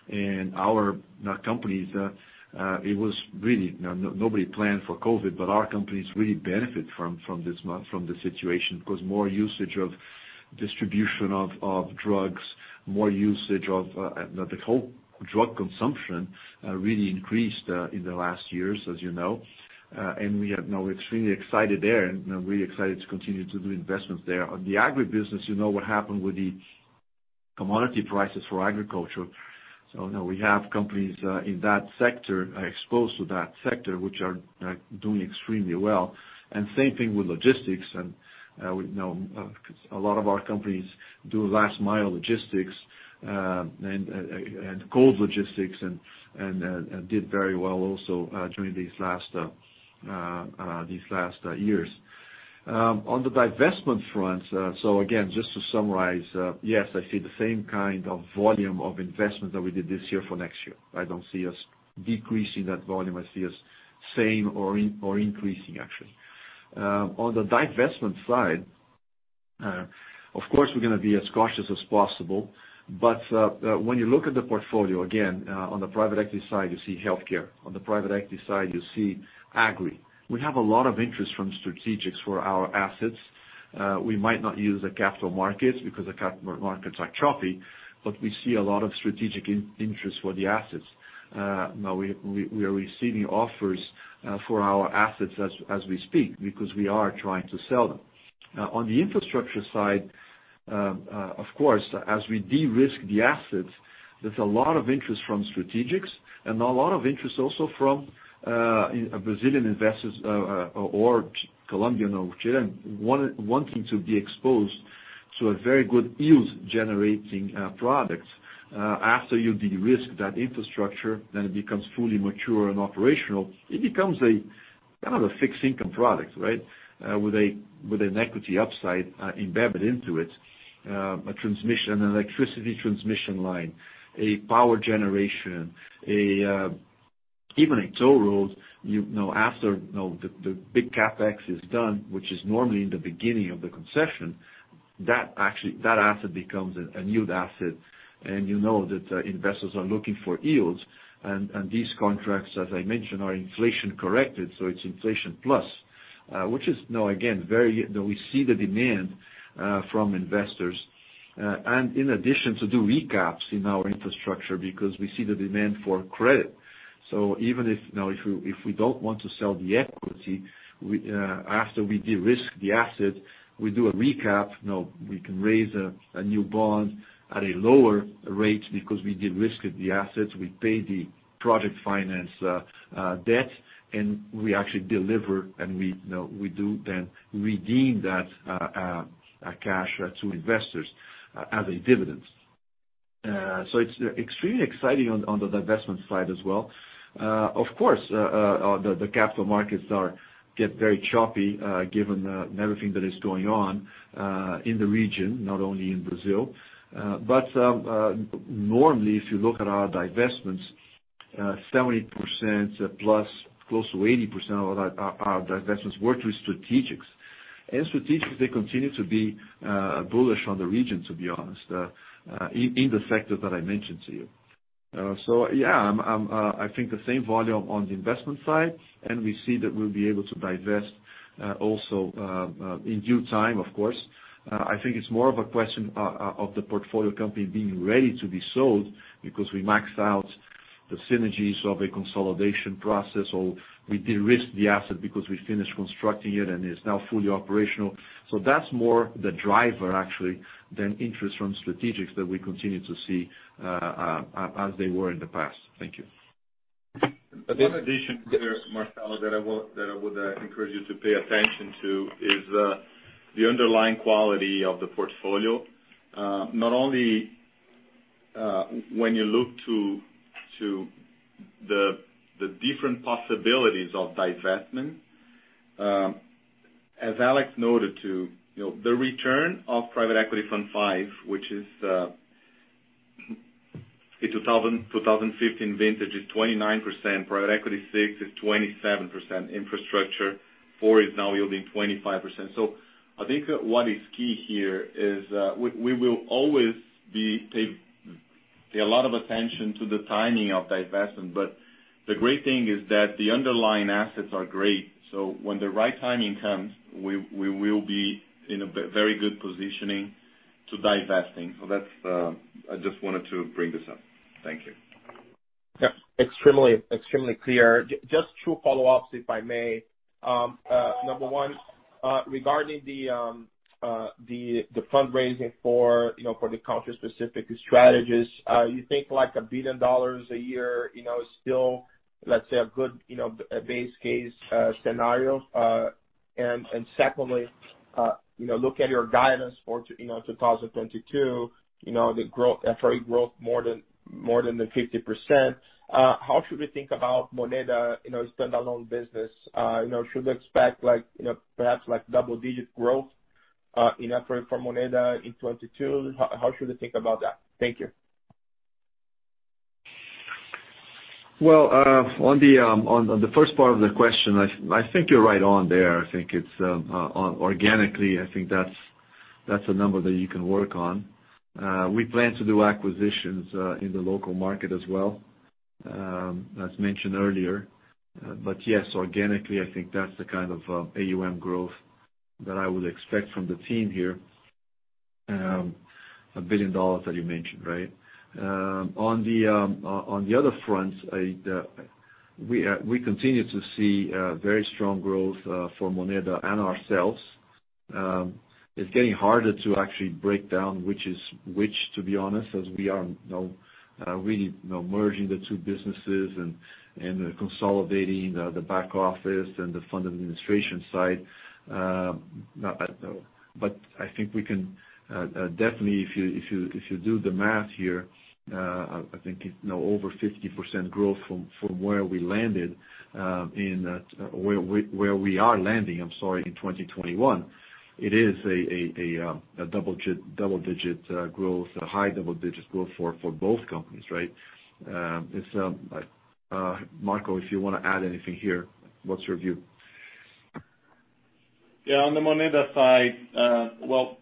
and our companies. It was really... Nobody planned for COVID, but our companies really benefit from this situation 'cause more usage of distribution of drugs, more usage of the whole drug consumption really increased in the last years, as you know. We are now extremely excited there, and we're excited to continue to do investments there. On the agribusiness, you know, what happened with the commodity prices for agriculture. Now we have companies in that sector exposed to that sector, which are doing extremely well. Same thing with logistics and we know 'cause a lot of our companies do last mile logistics and cold logistics and did very well also during these last years. On the divestment front, again, just to summarize, yes, I see the same kind of volume of investment that we did this year for next year. I don't see us decreasing that volume. I see us same or increasing actually. On the divestment side, of course, we're gonna be as cautious as possible. When you look at the portfolio, again, on the private equity side, you see healthcare. On the private equity side, you see agri. We have a lot of interest from strategics for our assets. We might not use the capital markets because the capital markets are choppy, but we see a lot of strategic interest for the assets. Now we are receiving offers for our assets as we speak because we are trying to sell them. On the infrastructure side, of course, as we de-risk the assets, there's a lot of interest from strategics and a lot of interest also from Brazilian investors, or Colombian or Chilean wanting to be exposed to a very good yield-generating products. After you de-risk that infrastructure, it becomes fully mature and operational. It becomes a kind of fixed income product, right? With an equity upside embedded into it. A transmission, an electricity transmission line, a power generation, even a toll road, you know, after you know, the big CapEx is done, which is normally in the beginning of the concession, that asset becomes a yield asset. You know that investors are looking for yields. These contracts, as I mentioned, are inflation corrected, so it's inflation plus, which is, you know, again, very, you know, we see the demand from investors. In addition to do recaps in our infrastructure because we see the demand for credit. Even if, you know, if we don't want to sell the equity, we after we de-risk the asset, we do a recap, you know, we can raise a new bond at a lower rate because we de-risked the assets, we pay the project finance debt, and we actually deliver, and we, you know, we do then redeem that cash to investors as a dividend. So it's extremely exciting on the divestment side as well. Of course, the capital markets are getting very choppy, given everything that is going on in the region, not only in Brazil. Normally, if you look at our divestments, 70% plus, close to 80% of our divestments were to strategics. Strategics, they continue to be bullish on the region, to be honest, in the sectors that I mentioned to you. Yeah, I think the same volume on the investment side, and we see that we'll be able to divest also in due time, of course. I think it's more of a question of the portfolio company being ready to be sold because we max out the synergies of a consolidation process, or we de-risk the asset because we finished constructing it and it's now fully operational. That's more the driver actually than interest from strategics that we continue to see, as they were in the past. Thank you. One addition here, Marcelo, that I would encourage you to pay attention to is the underlying quality of the portfolio. Not only when you look to the different possibilities of divestment, as Alex noted too, you know, the return of Private Equity Fund five, which is a 2015 vintage, is 29%. Private Equity six is 27%. Infrastructure four is now yielding 25%. I think what is key here is we will always pay a lot of attention to the timing of divestment. But the great thing is that the underlying assets are great, so when the right timing comes, we will be in a very good positioning to divesting. That's. I just wanted to bring this up. Thank you. Yeah. Extremely clear. Just two follow-ups, if I may. Number one, regarding the fundraising for, you know, for the country-specific strategies, you think like $1 billion a year, you know, is still, let's say, a good, you know, base case scenario? And secondly, you know, look at your guidance for, you know, 2022, you know, the growth, FRE growth more than 50%. How should we think about Moneda, you know, standalone business? You know, should we expect like, you know, perhaps like double-digit growth in FRE for Moneda in 2022? How should we think about that? Thank you. Well, on the first part of the question, I think you're right on there. I think it's in organically, I think that's a number that you can work on. We plan to do acquisitions in the local market as well, as mentioned earlier. Yes, organically, I think that's the kind of AUM growth that I would expect from the team here, $1 billion that you mentioned, right? On the other front, we continue to see very strong growth for Moneda and ourselves. It's getting harder to actually break down which is which, to be honest, as we are now really, you know, merging the two businesses and consolidating the back office and the fund administration side. I think we can definitely if you do the math here. I think it's now over 50% growth from where we landed in 2021. It is a double-digit growth, a high double-digit growth for both companies, right? Marco, if you wanna add anything here, what's your view? Yeah. On the Moneda side, well,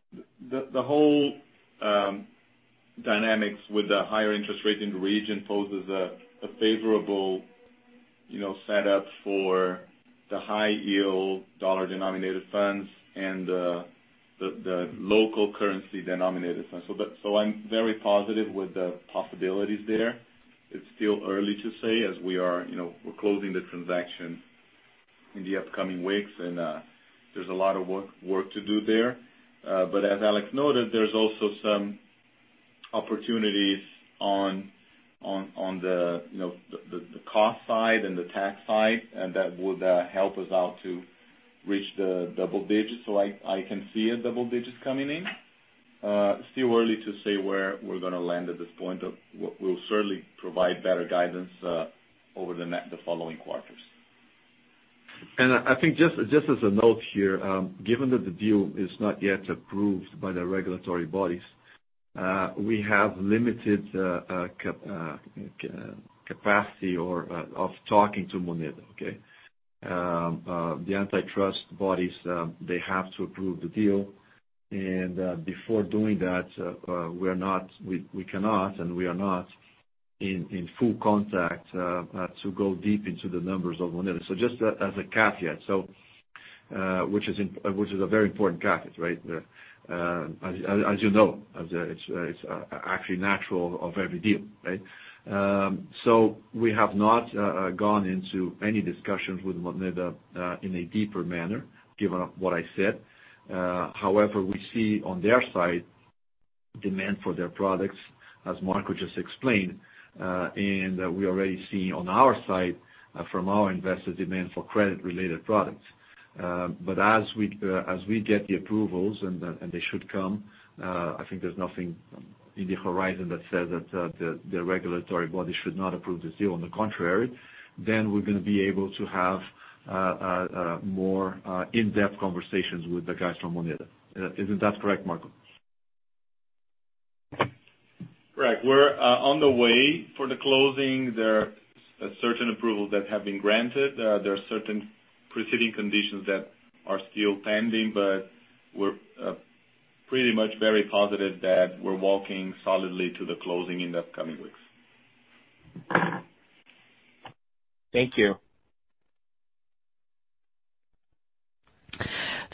the whole dynamics with the higher interest rate in the region poses a favorable, you know, setup for the high-yield dollar-denominated funds and the local currency-denominated funds. I'm very positive with the possibilities there. It's still early to say as we are, you know, we're closing the transaction in the upcoming weeks, and there's a lot of work to do there. As Alex noted, there's also some opportunities on the, you know, the cost side and the tax side, and that would help us out to reach the double digits. I can see a double digits coming in. Still early to say where we're gonna land at this point. We'll certainly provide better guidance over the following quarters. I think just as a note here, given that the deal is not yet approved by the regulatory bodies, we have limited capacity of talking to Moneda, okay? The antitrust bodies, they have to approve the deal. Before doing that, we cannot and we are not in full contact to go deep into the numbers of Moneda. Just as a caveat, which is a very important caveat, right? As you know, it's actually natural of every deal, right? We have not gone into any discussions with Moneda in a deeper manner, given what I said. However, we see on their side demand for their products, as Marco just explained. We already see on our side from our investors demand for credit-related products. As we get the approvals and they should come, I think there's nothing in the horizon that says that the regulatory body should not approve this deal. On the contrary, we're gonna be able to have more in-depth conversations with the guys from Moneda. Isn't that correct, Marco? Right. We're on the way to the closing. There are certain approvals that have been granted. There are certain precedent conditions that are still pending, but we're pretty much very positive that we're working solidly to the closing in the upcoming weeks. Thank you.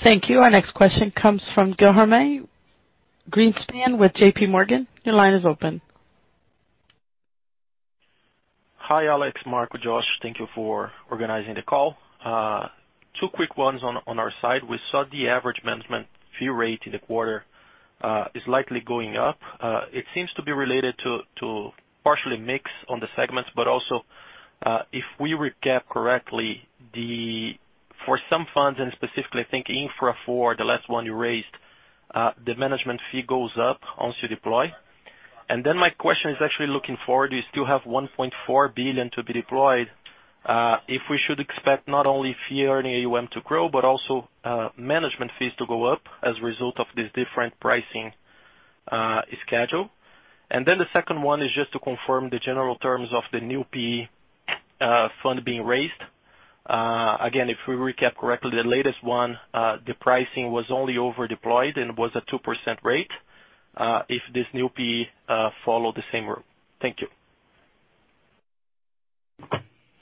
Thank you. Our next question comes from Guilherme Grespan with JP Morgan. Your line is open. Hi, Alex, Marco, Josh, thank you for organizing the call. Two quick ones on our side. We saw the average management fee rate in the quarter is likely going up. It seems to be related to the partial mix on the segments, but also, if we recall correctly, for some funds and specifically, I think Infra Four, the last one you raised, the management fee goes up once you deploy. My question is actually looking forward. You still have $1.4 billion to be deployed. Should we expect not only fee-earning AUM to grow, but also management fees to go up as a result of this different pricing schedule? The second one is just to confirm the general terms of the new PE fund being raised. Again, if we recap correctly, the latest one, the pricing was only over deployed and was a 2% rate, if this new PE follow the same route. Thank you.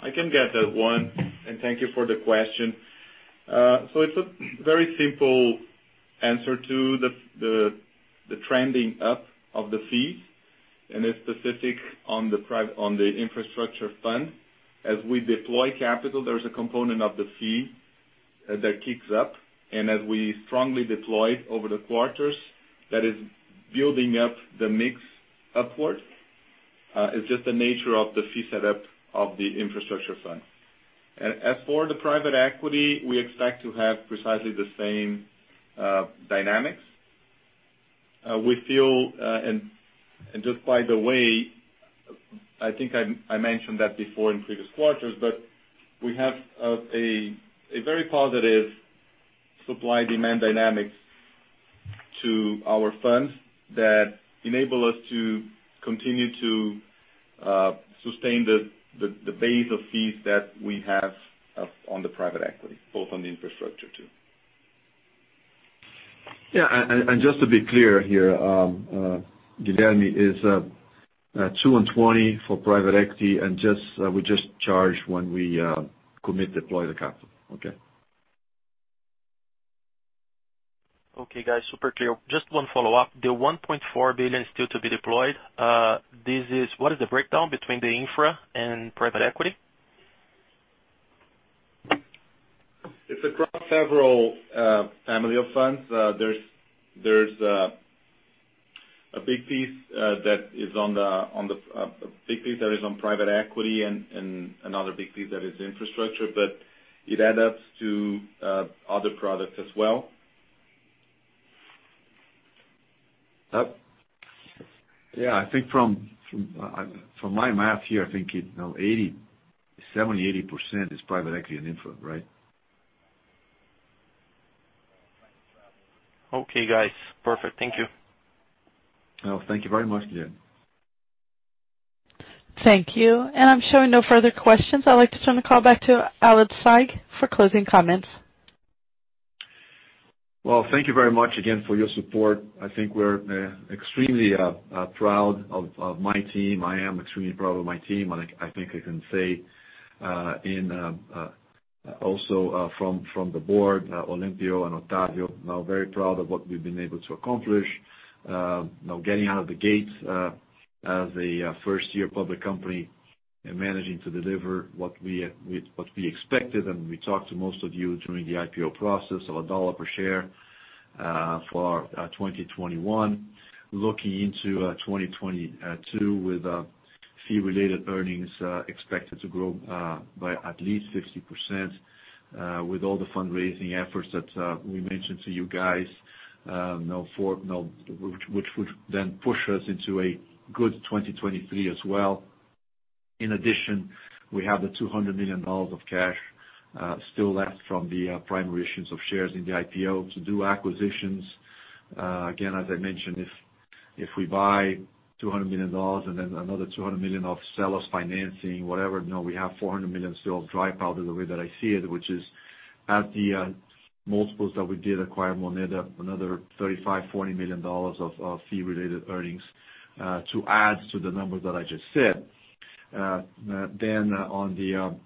I can get that one. Thank you for the question. It's a very simple answer to the trending up of the fees, and it's specific on the infrastructure fund. As we deploy capital, there's a component of the fee that kicks up. As we strongly deploy over the quarters, that is building up the mix upward, is just the nature of the fee set up of the infrastructure fund. As for the private equity, we expect to have precisely the same dynamics. We feel just by the way, I think I mentioned that before in previous quarters, but we have a very positive supply-demand dynamics to our funds that enable us to continue to sustain the base of fees that we have on the private equity, both on the infrastructure too. Yeah. Just to be clear here, Guilherme, is two and twenty for private equity, and just we just charge when we commit deploy the capital. Okay? Okay, guys. Super clear. Just one follow-up. The $1.4 billion still to be deployed, what is the breakdown between the infra and private equity? It's across several family of funds. There's a big piece that is on private equity and another big piece that is infrastructure, but it adds up to other products as well. Yeah, I think from my math here, I think it, you know, 80, 70, 80% is private equity and infra, right? Okay, guys. Perfect. Thank you. No, thank you very much, Guilherme. Thank you. I'm showing no further questions. I'd like to turn the call back to Alexandre Saigh for closing comments. Well, thank you very much again for your support. I think we're extremely proud of my team. I am extremely proud of my team. I think I can say also from the board, Olímpio and Otávio, now very proud of what we've been able to accomplish. You know, getting out of the gates as a first-year public company and managing to deliver what we expected, and we talked to most of you during the IPO process of $1 per share for 2021. Looking into 2022 with fee-related earnings expected to grow by at least 50% with all the fundraising efforts that we mentioned to you guys, which would then push us into a good 2023 as well. In addition, we have the $200 million of cash still left from the primary issues of shares in the IPO to do acquisitions. Again, as I mentioned, if we buy $200 million and then another $200 million of seller's financing, whatever, now we have $400 million still dry powder the way that I see it, which is at the multiples that we did acquire Moneda, another $35-$40 million of fee-related earnings to add to the number that I just said. On the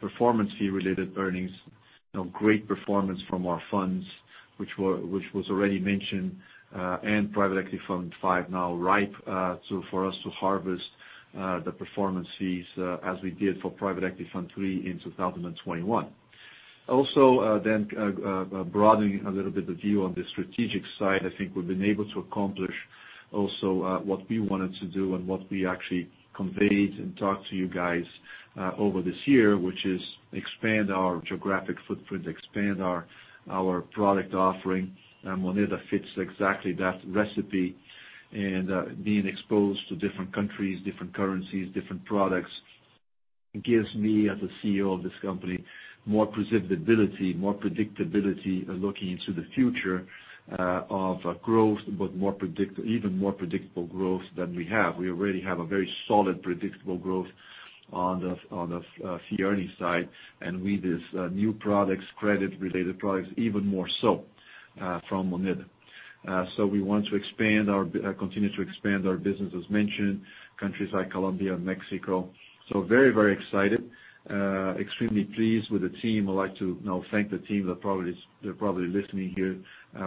performance fee-related earnings, you know, great performance from our funds, which was already mentioned, and Private Equity Fund five now ripe, so for us to harvest the performance fees, as we did for Private Equity Fund three in 2021. Also, broadening a little bit the view on the strategic side, I think we've been able to accomplish also, what we wanted to do and what we actually conveyed and talked to you guys, over this year, which is expand our geographic footprint, expand our product offering. Moneda fits exactly that recipe. Being exposed to different countries, different currencies, different products gives me, as a CEO of this company, more predictability looking into the future of growth, but even more predictable growth than we have. We already have a very solid, predictable growth on the fee earnings side, and with this new products, credit-related products even more so from Moneda. We want to continue to expand our business as mentioned in countries like Colombia and Mexico. Very excited. Extremely pleased with the team. I'd like to, you know, thank the team. They're probably listening here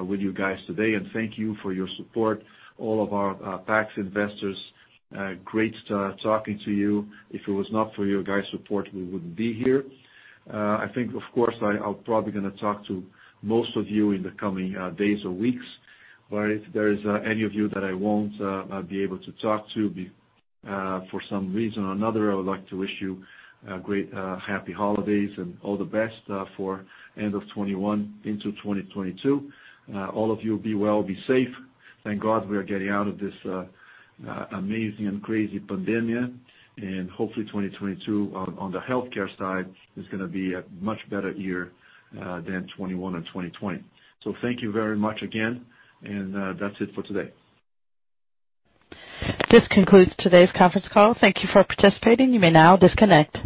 with you guys today. Thank you for your support. All of our tax investors, great talking to you. If it was not for you guys' support, we wouldn't be here. I think, of course, I'll probably gonna talk to most of you in the coming days or weeks. If there is any of you that I won't be able to talk to for some reason or another, I would like to wish you a great, happy holidays and all the best for end of 2021 into 2022. All of you, be well, be safe. Thank God we are getting out of this amazing and crazy pandemic. Hopefully 2022 on the healthcare side is gonna be a much better year than 2021 or 2020. Thank you very much again, and that's it for today. This concludes today's conference call. Thank you for participating. You may now disconnect.